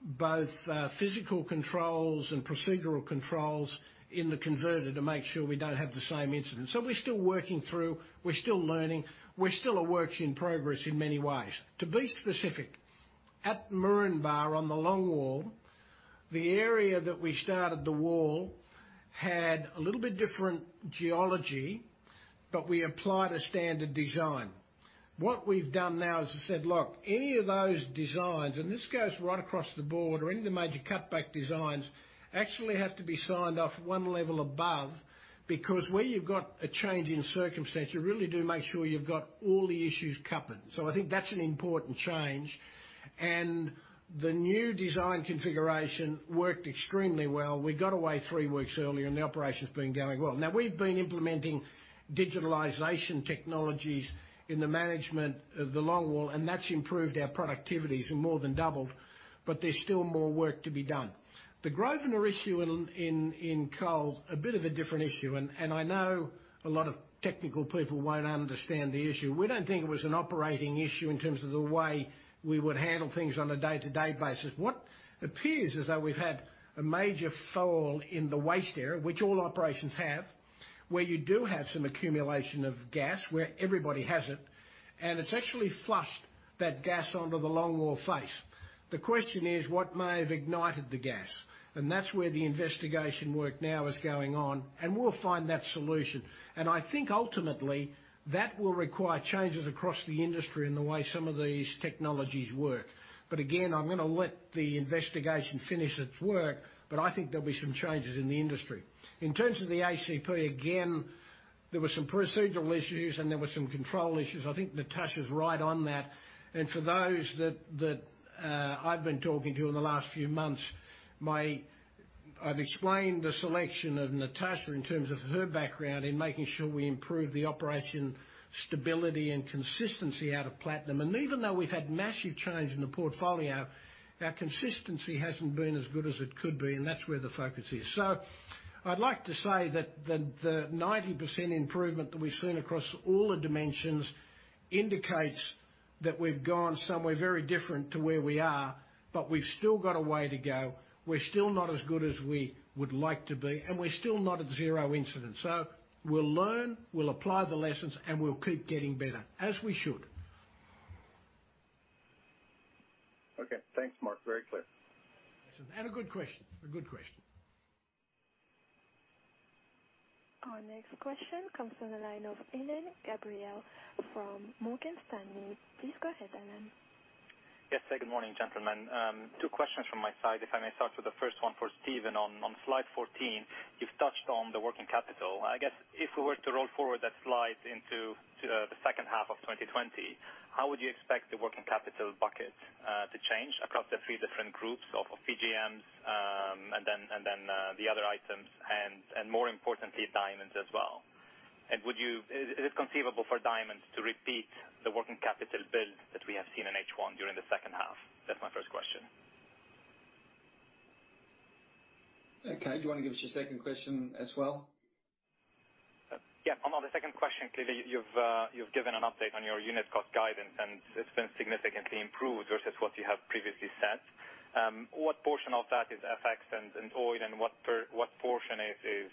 both physical controls and procedural controls in the converter to make sure we don't have the same incident. We're still working through, we're still learning, we're still a work in progress in many ways. To be specific, at Moranbah on the longwall, the area that we started the wall had a little bit different geology, but we applied a standard design. What we've done now is we said, "Look, any of those designs," and this goes right across the board, "or any of the major cutback designs actually have to be signed off one level above." Where you've got a change in circumstance, you really do make sure you've got all the issues covered. I think that's an important change, and the new design configuration worked extremely well. We got away three weeks earlier, and the operation's been going well. Now, we've been implementing digitalization technologies in the management of the Longwall, and that's improved our productivity. We more than doubled, there's still more work to be done. The Grosvenor issue in coal, a bit of a different issue, and I know a lot of technical people won't understand the issue. We don't think it was an operating issue in terms of the way we would handle things on a day-to-day basis. What appears is that we've had a major fall in the waste area, which all operations have, where you do have some accumulation of gas where everybody has it, and it's actually flushed that gas onto the Longwall face. The question is what may have ignited the gas, and that's where the investigation work now is going on, and we'll find that solution. I think ultimately, that will require changes across the industry in the way some of these technologies work. Again, I'm going to let the investigation finish its work, but I think there'll be some changes in the industry. In terms of the ACP, again, there were some procedural issues and there were some control issues. I think Natascha's right on that. For those that I've been talking to in the last few months, I've explained the selection of Natascha in terms of her background in making sure we improve the operation stability and consistency out of platinum. Even though we've had massive change in the portfolio, our consistency hasn't been as good as it could be, and that's where the focus is. I'd like to say that the 90% improvement that we've seen across all the dimensions indicates that we've gone somewhere very different to where we are, but we've still got a way to go. We're still not as good as we would like to be, and we're still not at zero incidents. We'll learn, we'll apply the lessons, and we'll keep getting better, as we should. Okay. Thanks, Mark. Very clear. A good question. A good question. Our next question comes from the line of Alain Gabriel from Morgan Stanley. Please go ahead, Alain. Yes. Good morning, gentlemen. Two questions from my side, if I may start with the first one for Stephen. On slide 14, you've touched on the working capital. I guess if we were to roll forward that slide into the second half of 2020, how would you expect the working capital bucket to change across the three different groups of PGMs and then the other items? More importantly, diamonds as well. Is it conceivable for diamonds to repeat the working capital build that we have seen in H1 during the second half? That's my first question. Okay. Do you want to give us your second question as well? Yeah. On the second question, clearly, you've given an update on your unit cost guidance, and it's been significantly improved versus what you have previously said. What portion of that is FX and oil, and what portion is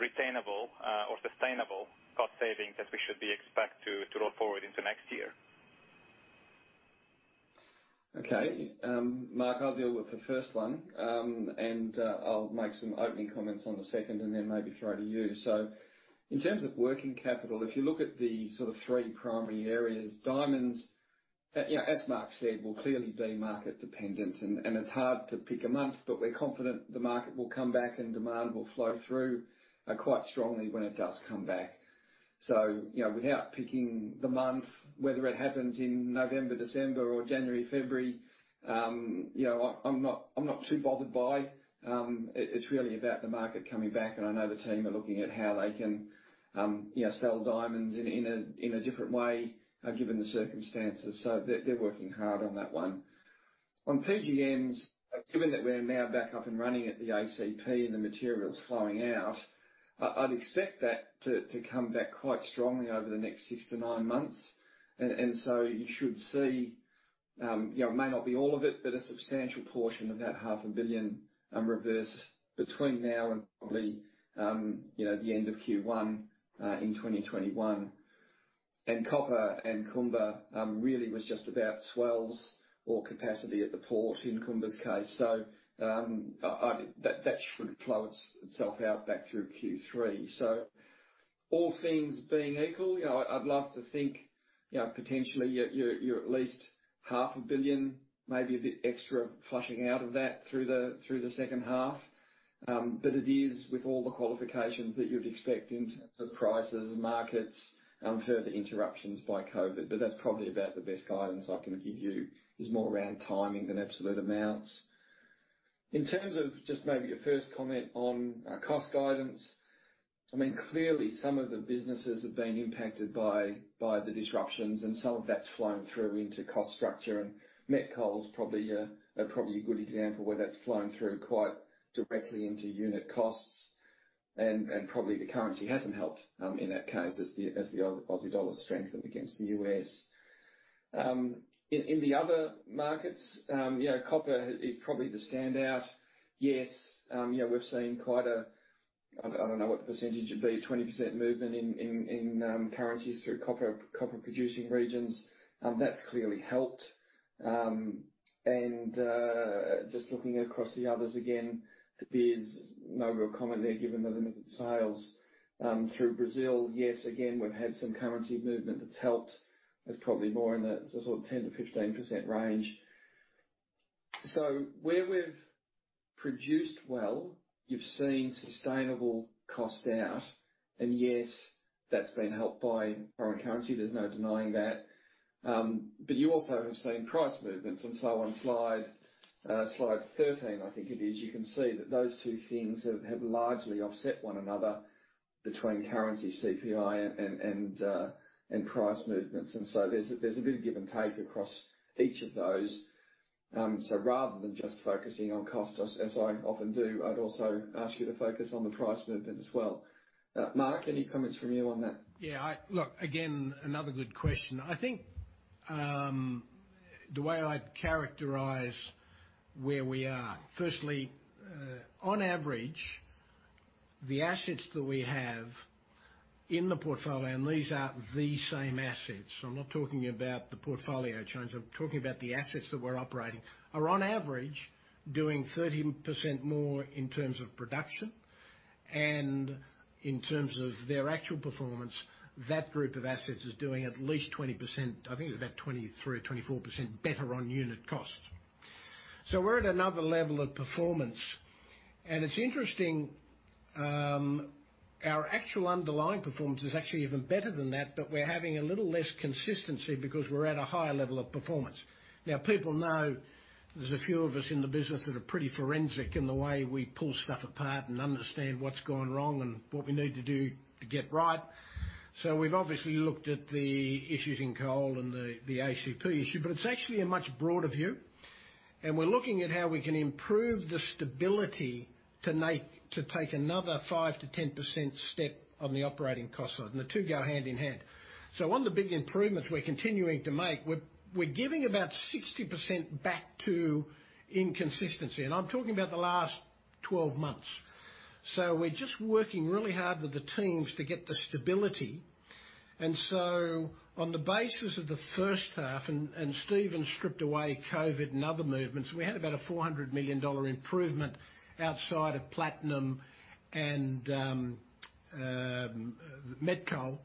retainable or sustainable cost savings that we should expect to roll forward into next year? Okay. Mark, I'll deal with the first one, and I'll make some opening comments on the second and then maybe throw to you. In terms of working capital, if you look at the sort of three primary areas, diamonds, as Mark said, will clearly be market-dependent. It's hard to pick a month, but we're confident the market will come back and demand will flow through quite strongly when it does come back. Without picking the month, whether it happens in November, December or January, February, I'm not too bothered by. It's really about the market coming back, and I know the team are looking at how they can sell diamonds in a different way, given the circumstances. They're working hard on that one. On PGMs, given that we're now back up and running at the ACP and the materials flowing out, I'd expect that to come back quite strongly over the next six to nine months. You should see, it may not be all of it, but a substantial portion of that $500 million reverse between now and probably the end of Q1 in 2021. Copper and Kumba really was just about swells or capacity at the port in Kumba's case. That should flow itself out back through Q3. All things being equal, I'd love to think potentially you're at least $500 million, maybe a bit extra flushing out of that through the second half. It is with all the qualifications that you'd expect in terms of prices, markets, further interruptions by COVID, but that's probably about the best guidance I can give you, is more around timing than absolute amounts. In terms of just maybe a first comment on our cost guidance. Clearly, some of the businesses have been impacted by the disruptions, and some of that's flown through into cost structure, and Met Coal is probably a good example where that's flown through quite directly into unit costs. Probably the currency hasn't helped, in that case, as the Aussie dollar strengthened against the U.S. In the other markets, copper is probably the standout. Yes, we've seen quite a, I don't know what the percentage would be, 20% movement in currencies through copper-producing regions. That's clearly helped. Just looking across the others again, there's no real comment there given the limited sales. Through Brazil, yes, again, we've had some currency movement that's helped. That's probably more in the sort of 10%-15% range. Where we've produced well, you've seen sustainable cost out, and yes, that's been helped by foreign currency. There's no denying that. You also have seen price movements, and so on slide 13, I think it is, you can see that those two things have largely offset one another between currency CPI and price movements. There's a bit of give and take across each of those. Rather than just focusing on cost, as I often do, I'd also ask you to focus on the price movement as well. Mark, any comments from you on that? Yeah. Look, again, another good question. I think the way I'd characterize where we are, firstly, on average, the assets that we have in the portfolio, and these are the same assets. I'm not talking about the portfolio change, I'm talking about the assets that we're operating, are on average, doing 30% more in terms of production. In terms of their actual performance, that group of assets is doing at least 20%, I think it's about 23% or 24% better on unit cost. We're at another level of performance. It's interesting, our actual underlying performance is actually even better than that, but we're having a little less consistency because we're at a higher level of performance. People know there's a few of us in the business that are pretty forensic in the way we pull stuff apart and understand what's gone wrong and what we need to do to get right. We've obviously looked at the issues in coal and the ACP issue, but it's actually a much broader view. We're looking at how we can improve the stability to take another 5%-10% step on the operating cost side. The two go hand in hand. One of the big improvements we're continuing to make, we're giving about 60% back to inconsistency, and I'm talking about the last 12 months. We're just working really hard with the teams to get the stability. On the basis of the first half, Stephen stripped away COVID and other movements, we had about a $400 million improvement outside of platinum and Met Coal.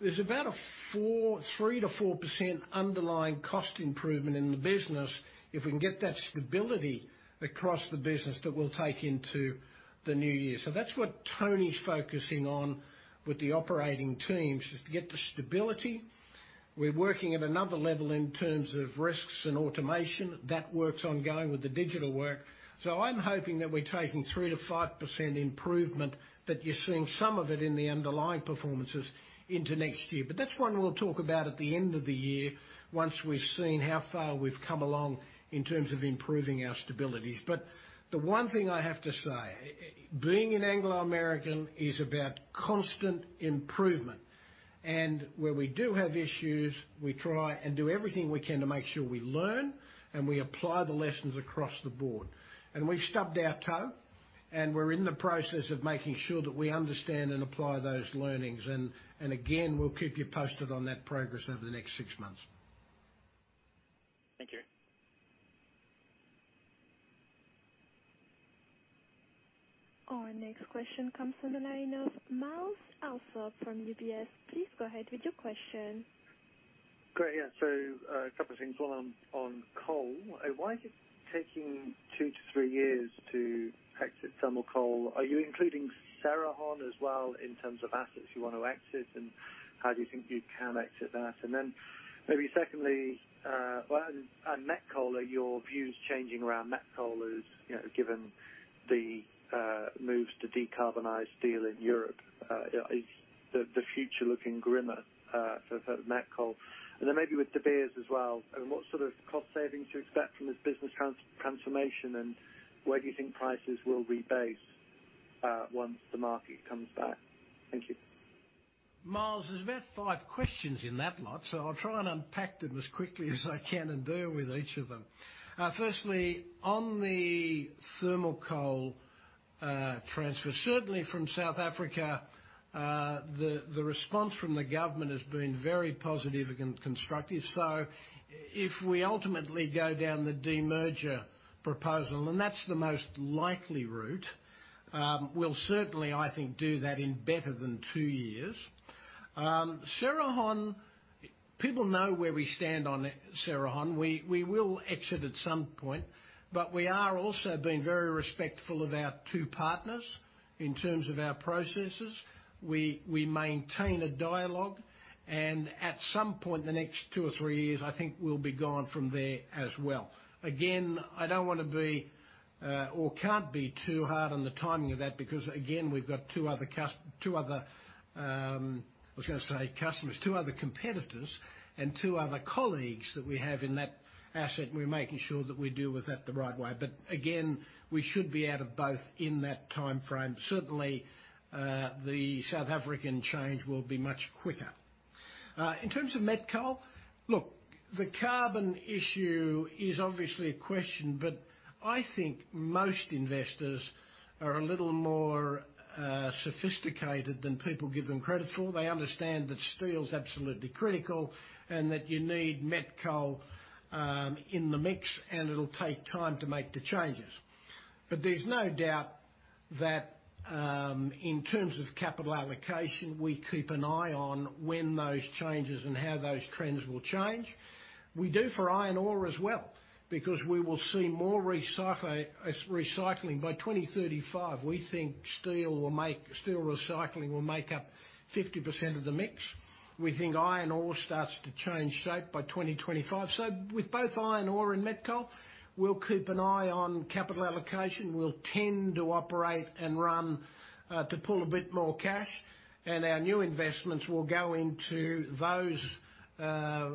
There's about a 3%-4% underlying cost improvement in the business if we can get that stability across the business that we'll take into the new year. That's what Tony's focusing on with the operating teams, is to get the stability. We're working at another level in terms of risks and automation that works on going with the digital work. I'm hoping that we're taking 3%-5% improvement, that you're seeing some of it in the underlying performances into next year. That's one we'll talk about at the end of the year once we've seen how far we've come along in terms of improving our stabilities. The one thing I have to say, being in Anglo American is about constant improvement. Where we do have issues, we try and do everything we can to make sure we learn and we apply the lessons across the board. We've stubbed our toe, and we're in the process of making sure that we understand and apply those learnings. Again, we'll keep you posted on that progress over the next six months. Thank you. Our next question comes on the line of Myles Allsop from UBS. Please go ahead with your question. Great. Yeah. A couple of things. One on coal. Why is it taking two to three years to exit Thermal Coal? Are you including Cerrejón as well in terms of assets you want to exit, and how do you think you can exit that? Maybe secondly, on Met Coal, are your views changing around Met Coal is given the moves to decarbonize steel in Europe? Is the future looking grimmer for Met Coal? Maybe with De Beers as well, what sort of cost savings do you expect from this business transformation, and where do you think prices will rebase once the market comes back? Thank you. Myles, there's about five questions in that lot, so I'll try and unpack them as quickly as I can and deal with each of them. Firstly, on the Thermal Coal transfer. Certainly from South Africa, the response from the government has been very positive and constructive. If we ultimately go down the demerger proposal, and that's the most likely route, we'll certainly, I think, do that in better than two years. Cerrejón, people know where we stand on Cerrejón. We will exit at some point, but we are also being very respectful of our two partners in terms of our processes. We maintain a dialogue, and at some point the next two or three years, I think we'll be gone from there as well. I don't want to be or can't be too hard on the timing of that because, again, we've got two other two other, I was going to say customers, two other competitors and two other colleagues that we have in that asset, and we're making sure that we deal with that the right way. We should be out of both in that timeframe. Certainly, the South African change will be much quicker. In terms of met coal. The carbon issue is obviously a question, but I think most investors are a little more sophisticated than people give them credit for. They understand that steel is absolutely critical and that you need met coal in the mix, and it'll take time to make the changes. There's no doubt that, in terms of capital allocation, we keep an eye on when those changes and how those trends will change. We do for iron ore as well, because we will see more recycling. By 2035, we think steel recycling will make up 50% of the mix. We think iron ore starts to change shape by 2025. With both iron ore and Met Coal, we'll keep an eye on capital allocation. We'll tend to operate and run to pull a bit more cash, and our new investments will go into those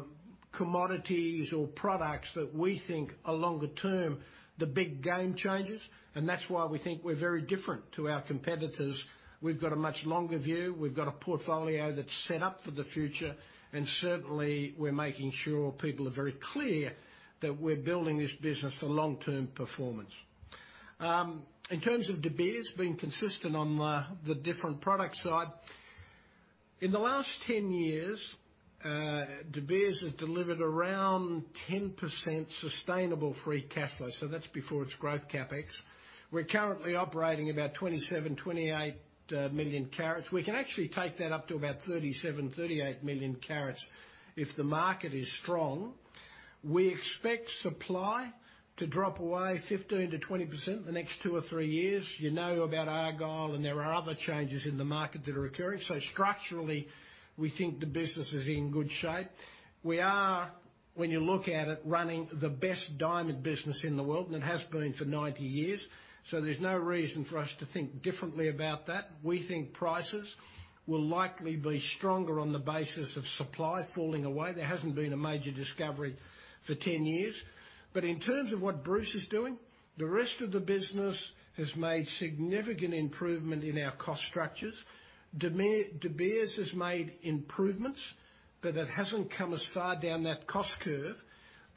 commodities or products that we think are longer term, the big game changers. That's why we think we're very different to our competitors. We've got a much longer view. We've got a portfolio that's set up for the future, certainly, we're making sure people are very clear that we're building this business for long-term performance. In terms of De Beers being consistent on the different product side. In the last 10 years, De Beers has delivered around 10% sustainable free cash flow. That's before its growth CapEx. We're currently operating about 27 million, 28 million carats. We can actually take that up to about 37 million, 38 million carats if the market is strong. We expect supply to drop away 15%-20% the next two or three years. You know about Argyle, there are other changes in the market that are occurring. Structurally, we think the business is in good shape. We are, when you look at it, running the best diamond business in the world, and it has been for 90 years. There's no reason for us to think differently about that. We think prices will likely be stronger on the basis of supply falling away. There hasn't been a major discovery for 10 years. In terms of what Bruce is doing, the rest of the business has made significant improvement in our cost structures. De Beers has made improvements, but it hasn't come as far down that cost curve.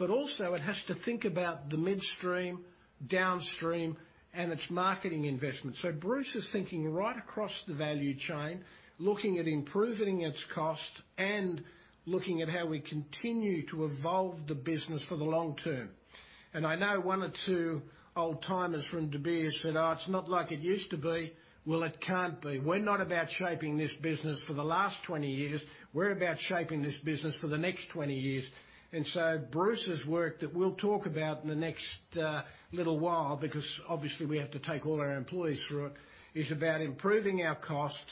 Also it has to think about the midstream, downstream, and its marketing investment. Bruce is thinking right across the value chain, looking at improving its cost and looking at how we continue to evolve the business for the long term. I know one or two old-timers from De Beers said, "Oh, it's not like it used to be." Well, it can't be. We're not about shaping this business for the last 20 years. We're about shaping this business for the next 20 years. Bruce's work that we'll talk about in the next little while, because obviously we have to take all our employees through it, is about improving our costs.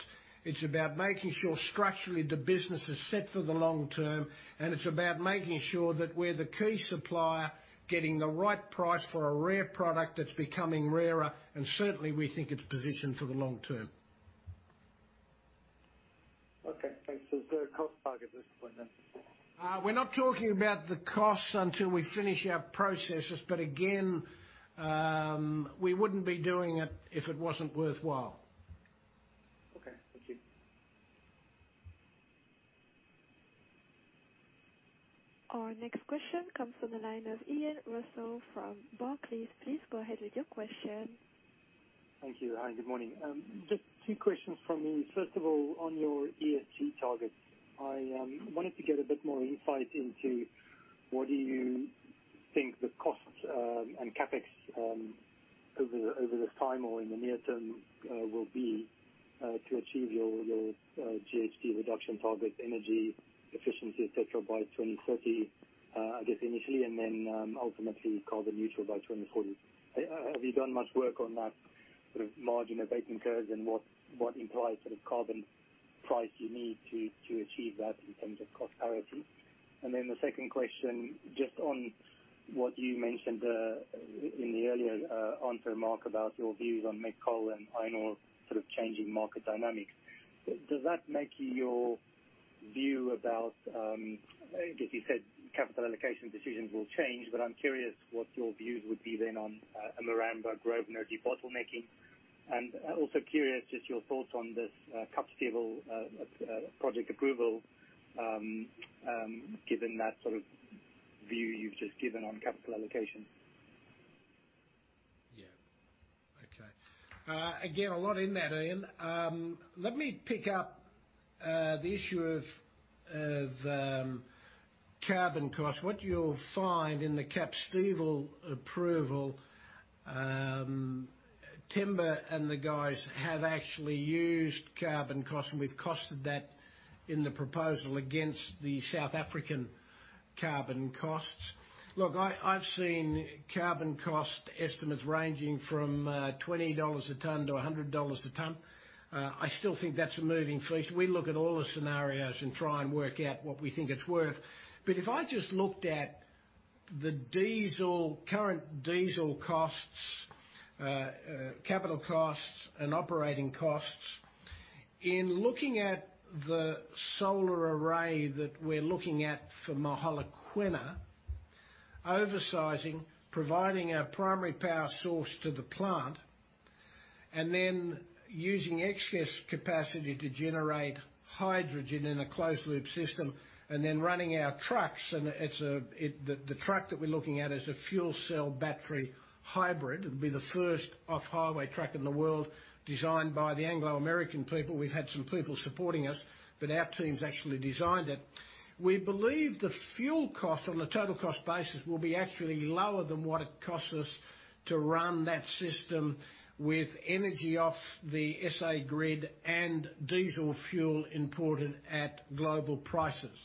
It's about making sure structurally the business is set for the long term, and it's about making sure that we're the key supplier, getting the right price for a rare product that's becoming rarer, and certainly we think it's positioned for the long term. Okay, thanks. Is there a cost target at this point, then? We're not talking about the costs until we finish our processes. Again, we wouldn't be doing it if it wasn't worthwhile. Okay, thank you. Our next question comes from the line of Ian Rossouw from Barclays. Please go ahead with your question. Thank you. Hi, good morning. Just two questions from me. First of all, on your ESG targets. I wanted to get a bit more insight into what do you think the costs, and CapEx over this time or in the near term will be to achieve your GHG reduction target, energy efficiency, et cetera, by 2030, I guess initially, and then ultimately carbon neutral by 2040. Have you done much work on that sort of margin abatement curves and what implied sort of carbon price you need to achieve that in terms of cost parity? The second question, just on what you mentioned in the earlier answer, Mark, about your views on Met Coal and iron ore sort of changing market dynamics. Does that make your view about, I guess you said capital allocation decisions will change, but I am curious what your views would be then on a Moranbah-Grosvenor debottlenecking? Also curious, just your thoughts on this Kapstevel project approval, given that sort of view you have just given on CapEx allocation? Yeah. Okay. Again, a lot in that, Ian. Let me pick up the issue of carbon cost. What you'll find in the Kapstevel approval, Themba and the guys have actually used carbon cost, and we've costed that in the proposal against the South African carbon costs. Look, I've seen carbon cost estimates ranging from $20 a ton-$100 a ton. I still think that's a moving feast. We look at all the scenarios and try and work out what we think it's worth. If I just looked at the current diesel costs, capital costs, and operating costs. In looking at the solar array that we're looking at for Mogalakwena, oversizing, providing our primary power source to the plant, and then using excess capacity to generate hydrogen in a closed-loop system, and then running our trucks, and the truck that we're looking at is a fuel cell battery hybrid. It'll be the first off-highway truck in the world designed by the Anglo American people. We've had some people supporting us, but our teams actually designed it. We believe the fuel cost on a total cost basis will be actually lower than what it costs us to run that system with energy off the SA grid and diesel fuel imported at global prices.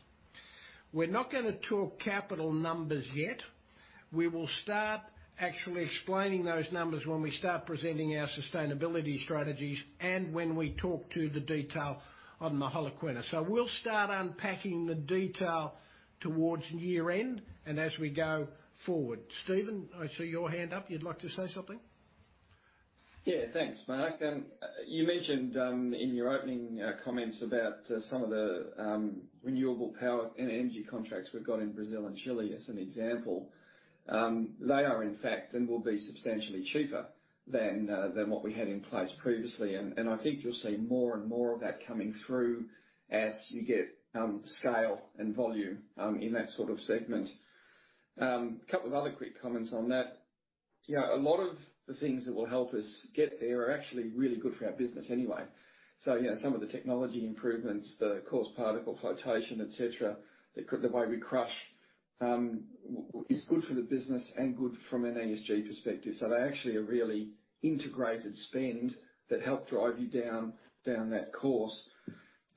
We're not going to talk capital numbers yet. We will start actually explaining those numbers when we start presenting our sustainability strategies and when we talk to the detail on Mogalakwena. We'll start unpacking the detail towards year-end and as we go forward. Stephen, I see your hand up. You'd like to say something? Yeah. Thanks, Mark. You mentioned, in your opening comments about some of the renewable power and energy contracts we've got in Brazil and Chile as an example. They are in fact and will be substantially cheaper than what we had in place previously, and I think you'll see more and more of that coming through as you get scale and volume in that sort of segment. A couple of other quick comments on that. A lot of the things that will help us get there are actually really good for our business anyway. Some of the technology improvements, the coarse particle flotation, et cetera, the way we crush, is good for the business and good from an ESG perspective. They actually are really integrated spend that help drive you down that course.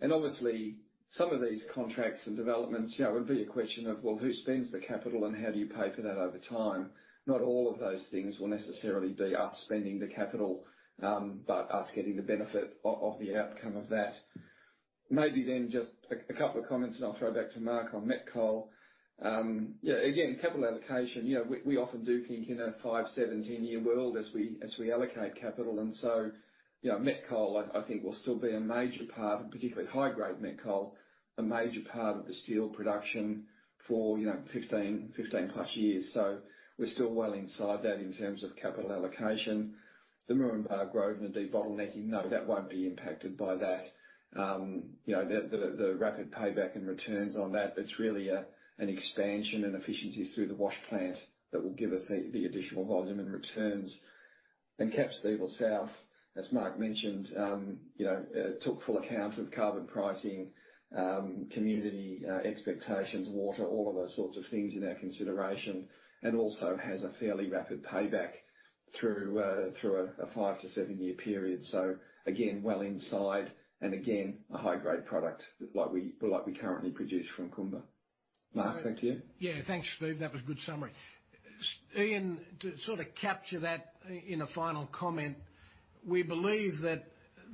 Obviously, some of these contracts and developments would be a question of, well, who spends the CapEx and how do you pay for that over time? Not all of those things will necessarily be us spending the CapEx, but us getting the benefit of the outcome of that. Then just a couple of comments, and I'll throw back to Mark on Met Coal. Again, CapEx allocation, we often do think in a five, seven, 10-year world as we allocate CapEx. Met Coal, I think, will still be a major part, and particularly high grade Met Coal, a major part of the steel production for 15+ years. We're still well inside that in terms of CapEx allocation. The Moranbah-Grosvenor debottlenecking, no, that won't be impacted by that. The rapid payback and returns on that, it's really an expansion and efficiencies through the wash plant that will give us the additional volume and returns. Kapstevel South, as Mark mentioned, took full account of carbon pricing, community expectations, water, all of those sorts of things in our consideration, and also has a fairly rapid payback through a five to seven-year period. Again, well inside, and again, Product like we currently produce from Kumba. Mark, back to you. Yeah, thanks, Stephen. That was a good summary. Ian, to sort of capture that in a final comment, we believe that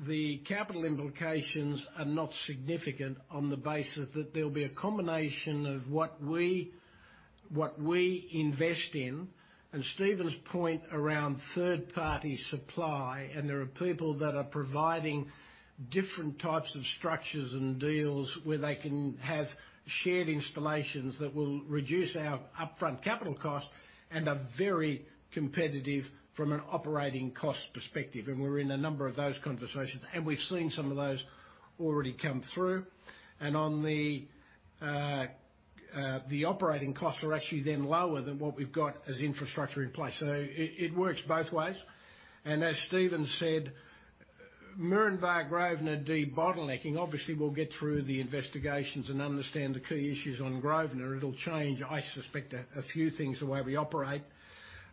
the capital implications are not significant on the basis that there'll be a combination of what we invest in and Stephen's point around third-party supply. There are people that are providing different types of structures and deals where they can have shared installations that will reduce our upfront capital cost and are very competitive from an operating cost perspective. We're in a number of those conversations, and we've seen some of those already come through. On the operating costs are actually then lower than what we've got as infrastructure in place. It works both ways. As Stephen said, Moranbah, Grosvenor de-bottlenecking, obviously we'll get through the investigations and understand the key issues on Grosvenor. It'll change, I suspect, a few things the way we operate.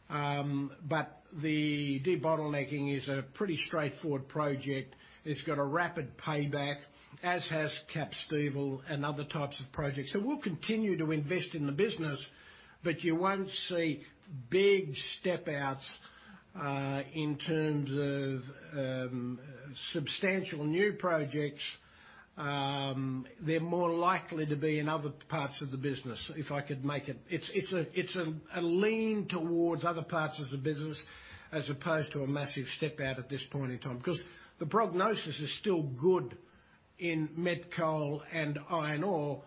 The de-bottlenecking is a pretty straightforward project. It's got a rapid payback, as has Kapstevel and other types of projects. We'll continue to invest in the business, but you won't see big step outs, in terms of substantial new projects. They're more likely to be in other parts of the business if I could make it It's a lean towards other parts of the business as opposed to a massive step out at this point in time. The prognosis is still good in Met Coal and iron ore,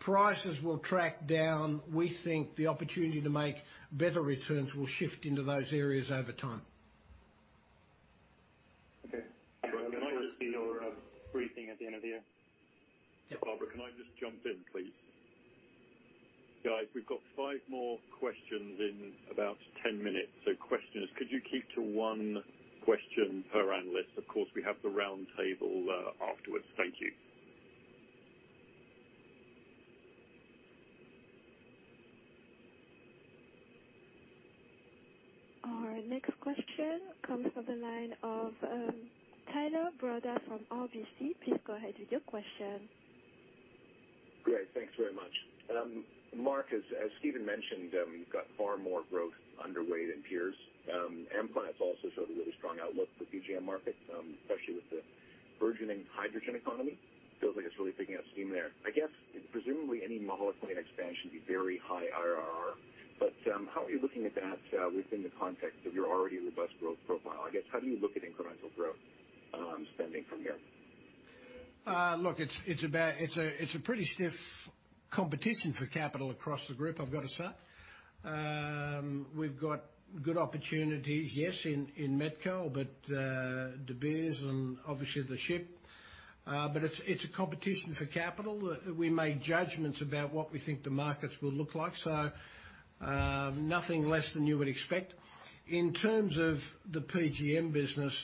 prices will track down. We think the opportunity to make better returns will shift into those areas over time. Okay. Can I just [be your], briefing at the end of the year? Yep. Barbara, can I just jump in, please? Guys, we've got five more questions in about 10 minutes. Question is, could you keep to one question per analyst? Of course, we have the round table afterwards. Thank you. Our next question comes from the line of, Tyler Broda from RBC. Please go ahead with your question. Great. Thanks very much. Mark, as Stephen mentioned, you've got far more growth underway than peers. Amplats also showed a really strong outlook for PGM markets, especially with the burgeoning hydrogen economy. Feels like it's really picking up steam there. I guess presumably any Mogalakwena expansion would be very high IRR. How are you looking at that, within the context of your already robust growth profile? I guess, how do you look at incremental growth, spending from here? Look, it's a pretty stiff competition for capital across the group, I've got to say. We've got good opportunities, yes, in Met Coal, but De Beers and obviously Sirius. It's a competition for capital. We make judgments about what we think the markets will look like. Nothing less than you would expect. In terms of the PGM business,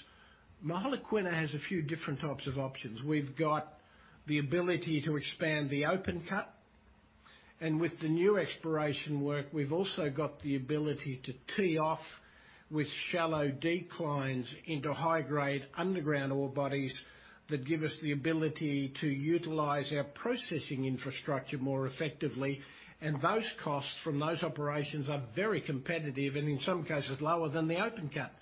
Mogalakwena has a few different types of options. We've got the ability to expand the open cut, and with the new exploration work, we've also got the ability to tee off with shallow declines into high-grade underground ore bodies that give us the ability to utilize our processing infrastructure more effectively. Those costs from those operations are very competitive and in some cases, lower than the open cut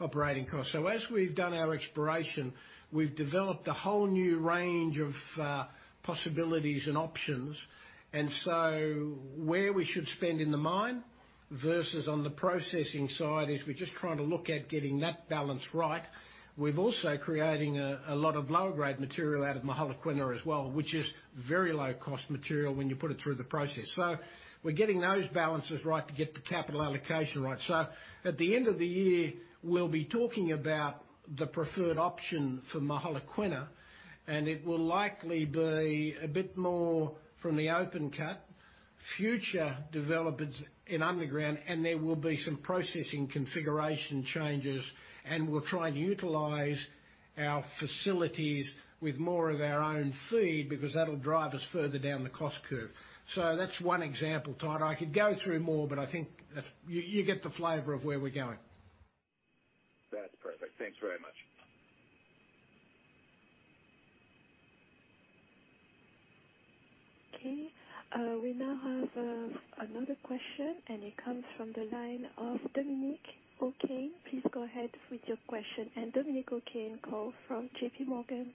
operating costs. As we've done our exploration, we've developed a whole new range of possibilities and options. Where we should spend in the mine versus on the processing side is we're just trying to look at getting that balance right. We're also creating a lot of lower-grade material out of Mogalakwena as well, which is very low-cost material when you put it through the process. We're getting those balances right to get the capital allocation right. At the end of the year, we'll be talking about the preferred option for Mogalakwena, and it will likely be a bit more from the open cut, future developments in underground, and there will be some processing configuration changes, and we'll try and utilize our facilities with more of our own feed because that'll drive us further down the cost curve. That's one example, Tyler. I could go through more, but I think you get the flavor of where we're going. That's perfect. Thanks very much. Okay. We now have another question, and it comes from the line of Dominic O'Kane. Please go ahead with your question. Dominic O'Kane, call from JPMorgan.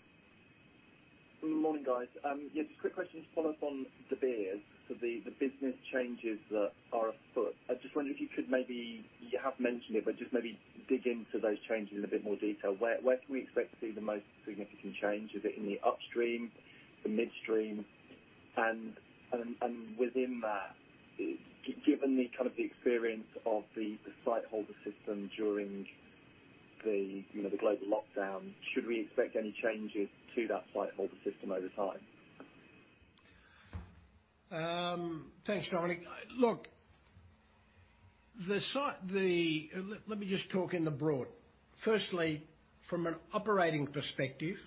Morning, guys. Yeah, just a quick question to follow up on De Beers. The business changes that are afoot. I just wonder if you could maybe, you have mentioned it, but just maybe dig into those changes in a bit more detail. Where can we expect to see the most significant change? Is it in the upstream, the midstream? Within that, given the kind of the experience of the sightholder system during the global lockdown, should we expect any changes to that sightholder system over time? Thanks, Dominic. Look, let me just talk in the broad. Firstly, from an operating perspective,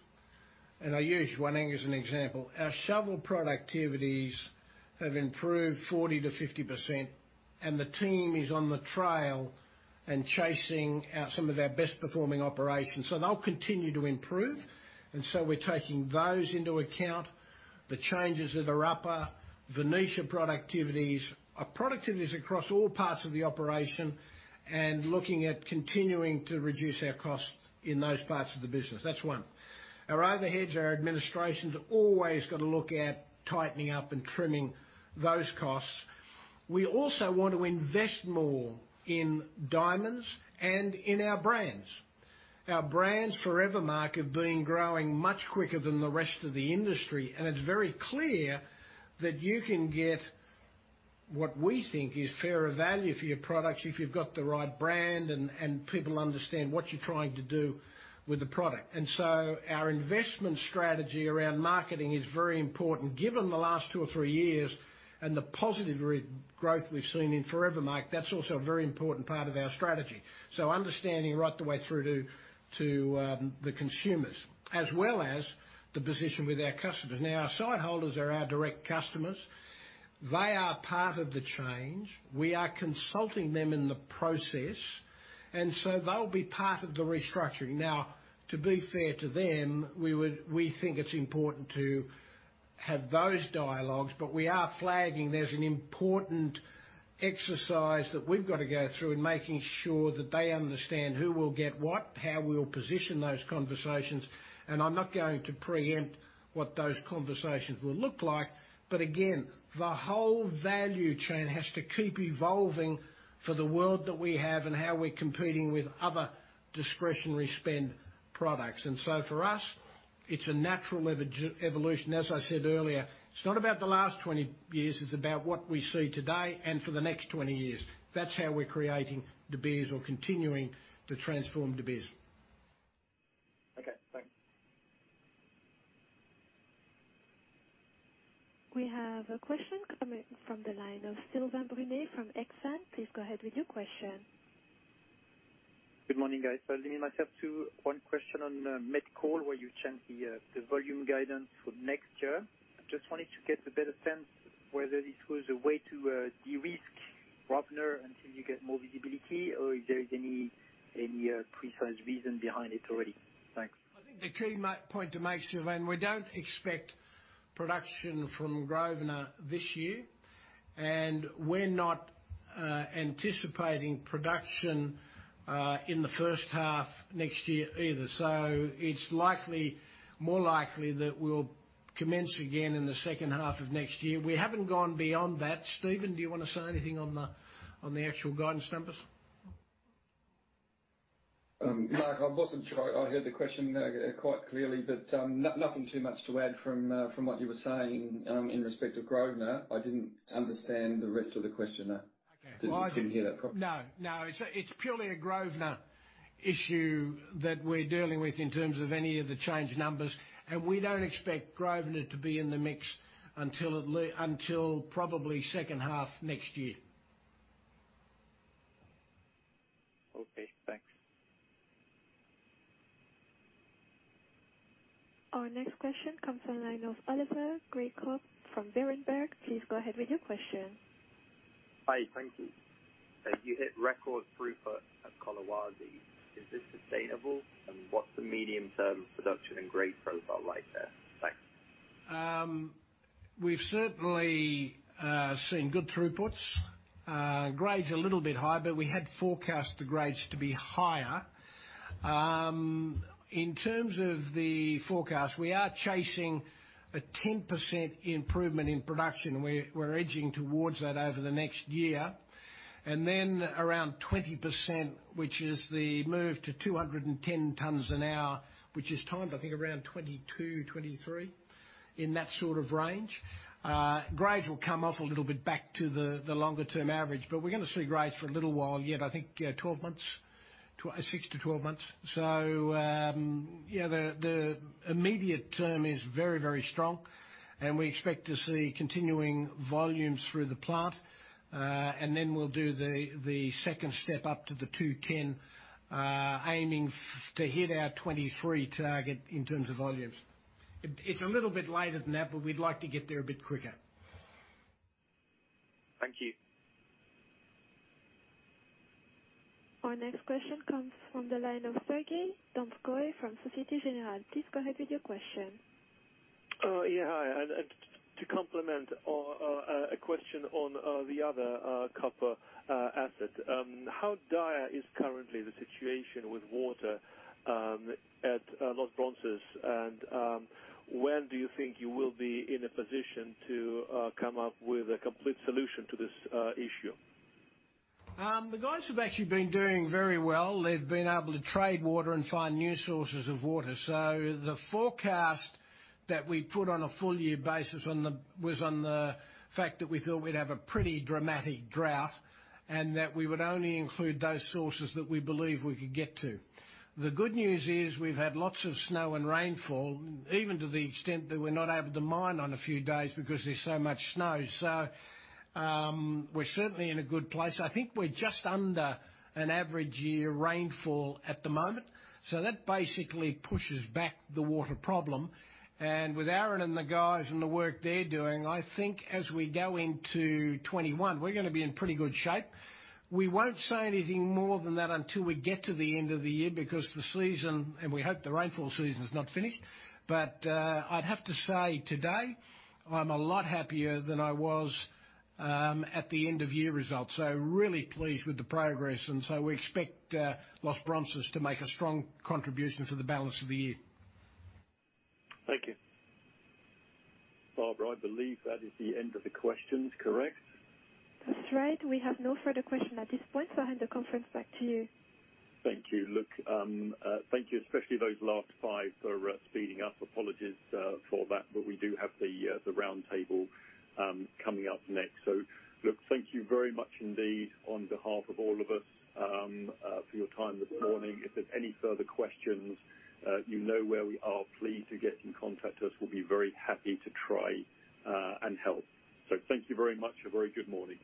I use Jwaneng as an example, our shovel productivities have improved 40%-50%. The team is on the trail and chasing some of our best-performing operations. They'll continue to improve, we're taking those into account, the changes at Orapa, Venetia productivities, our productivities across all parts of the operation, and looking at continuing to reduce our costs in those parts of the business. That's one. Our overheads, our administration's always got to look at tightening up and trimming those costs. We also want to invest more in diamonds and in our brands. Our brands Forevermark have been growing much quicker than the rest of the industry, and it's very clear that you can get what we think is fairer value for your products if you've got the right brand and people understand what you're trying to do with the product. Our investment strategy around marketing is very important given the last two or three years and the positive growth we've seen in Forevermark. That's also a very important part of our strategy. Understanding right the way through to the consumers, as well as the position with our customers. Our sightholders are our direct customers. They are part of the change. We are consulting them in the process, and so they'll be part of the restructuring. Now, to be fair to them, we think it's important to have those dialogues, we are flagging there's an important exercise that we've got to go through in making sure that they understand who will get what, how we'll position those conversations, and I'm not going to preempt what those conversations will look like. Again, the whole value chain has to keep evolving for the world that we have and how we're competing with other discretionary spend products. For us, it's a natural evolution. As I said earlier, it's not about the last 20 years, it's about what we see today and for the next 20 years. That's how we're creating De Beers or continuing to transform De Beers. Okay, thanks. We have a question coming from the line of Sylvain Brunet from Exane. Please go ahead with your question. Good morning, guys. I'll limit myself to one question on the Met Coal where you changed the volume guidance for next year. I just wanted to get a better sense whether this was a way to de-risk Grosvenor until you get more visibility, or if there is any precise reason behind it already. Thanks. I think the key point to make, Sylvain, we don't expect production from Grosvenor this year, and we're not anticipating production in the first half next year either. It's more likely that we'll commence again in the second half of next year. We haven't gone beyond that. Stephen, do you want to say anything on the actual guidance numbers? Mark, I wasn't sure I heard the question quite clearly. Nothing too much to add from what you were saying in respect of Grosvenor. I didn't understand the rest of the question there. I didn't hear that properly. No. It's purely a Grosvenor issue that we're dealing with in terms of any of the change in numbers, and we don't expect Grosvenor to be in the mix until probably second half next year. Okay, thanks. Our next question comes from the line of Oliver Grewcock from Berenberg. Please go ahead with your question. Hi, thank you. You hit record throughput at Collahuasi. Is this sustainable? What's the medium-term production and grade profile like there? Thanks. We've certainly seen good throughputs. Grade's a little bit high, but we had forecast the grades to be higher. In terms of the forecast, we are chasing a 10% improvement in production. We're edging towards that over the next year. Around 20%, which is the move to 210 tons an hour, which is timed, I think, around 2022, 2023, in that sort of range. Grade will come off a little bit back to the longer-term average, but we're going to see grades for a little while yet, I think 12 months, 6-12 months. The immediate term is very strong, and we expect to see continuing volumes through the plant. We'll do the second step up to the 210, aiming to hit our 2023 target in terms of volumes. It's a little bit later than that. We'd like to get there a bit quicker. Thank you. Our next question comes from the line of Sergey Donskoy from Societe Generale. Please go ahead with your question. Yeah, hi. To complement a question on the other copper asset, how dire is currently the situation with water at Los Bronces, and when do you think you will be in a position to come up with a complete solution to this issue? The guys have actually been doing very well. They've been able to trade water and find new sources of water. The forecast that we put on a full year basis was on the fact that we thought we'd have a pretty dramatic drought, and that we would only include those sources that we believe we could get to. The good news is we've had lots of snow and rainfall, even to the extent that we're not able to mine on a few days because there's so much snow. We're certainly in a good place. I think we're just under an average year rainfall at the moment. That basically pushes back the water problem. With Aaron and the guys and the work they're doing, I think as we go into 2021, we're going to be in pretty good shape. We won't say anything more than that until we get to the end of the year because the season, and we hope the rainfall season's not finished. I'd have to say today, I'm a lot happier than I was at the end of year results, so really pleased with the progress, and so we expect Los Bronces to make a strong contribution for the balance of the year. Thank you. Barbara, I believe that is the end of the questions, correct? That's right. We have no further question at this point. I hand the conference back to you. Thank you. Thank you, especially those last five for speeding up. Apologies for that, we do have the round table coming up next. Thank you very much indeed on behalf of all of us for your time this morning. If there's any further questions, you know where we are. Please do get in contact with us, we'll be very happy to try and help. Thank you very much. A very good morning.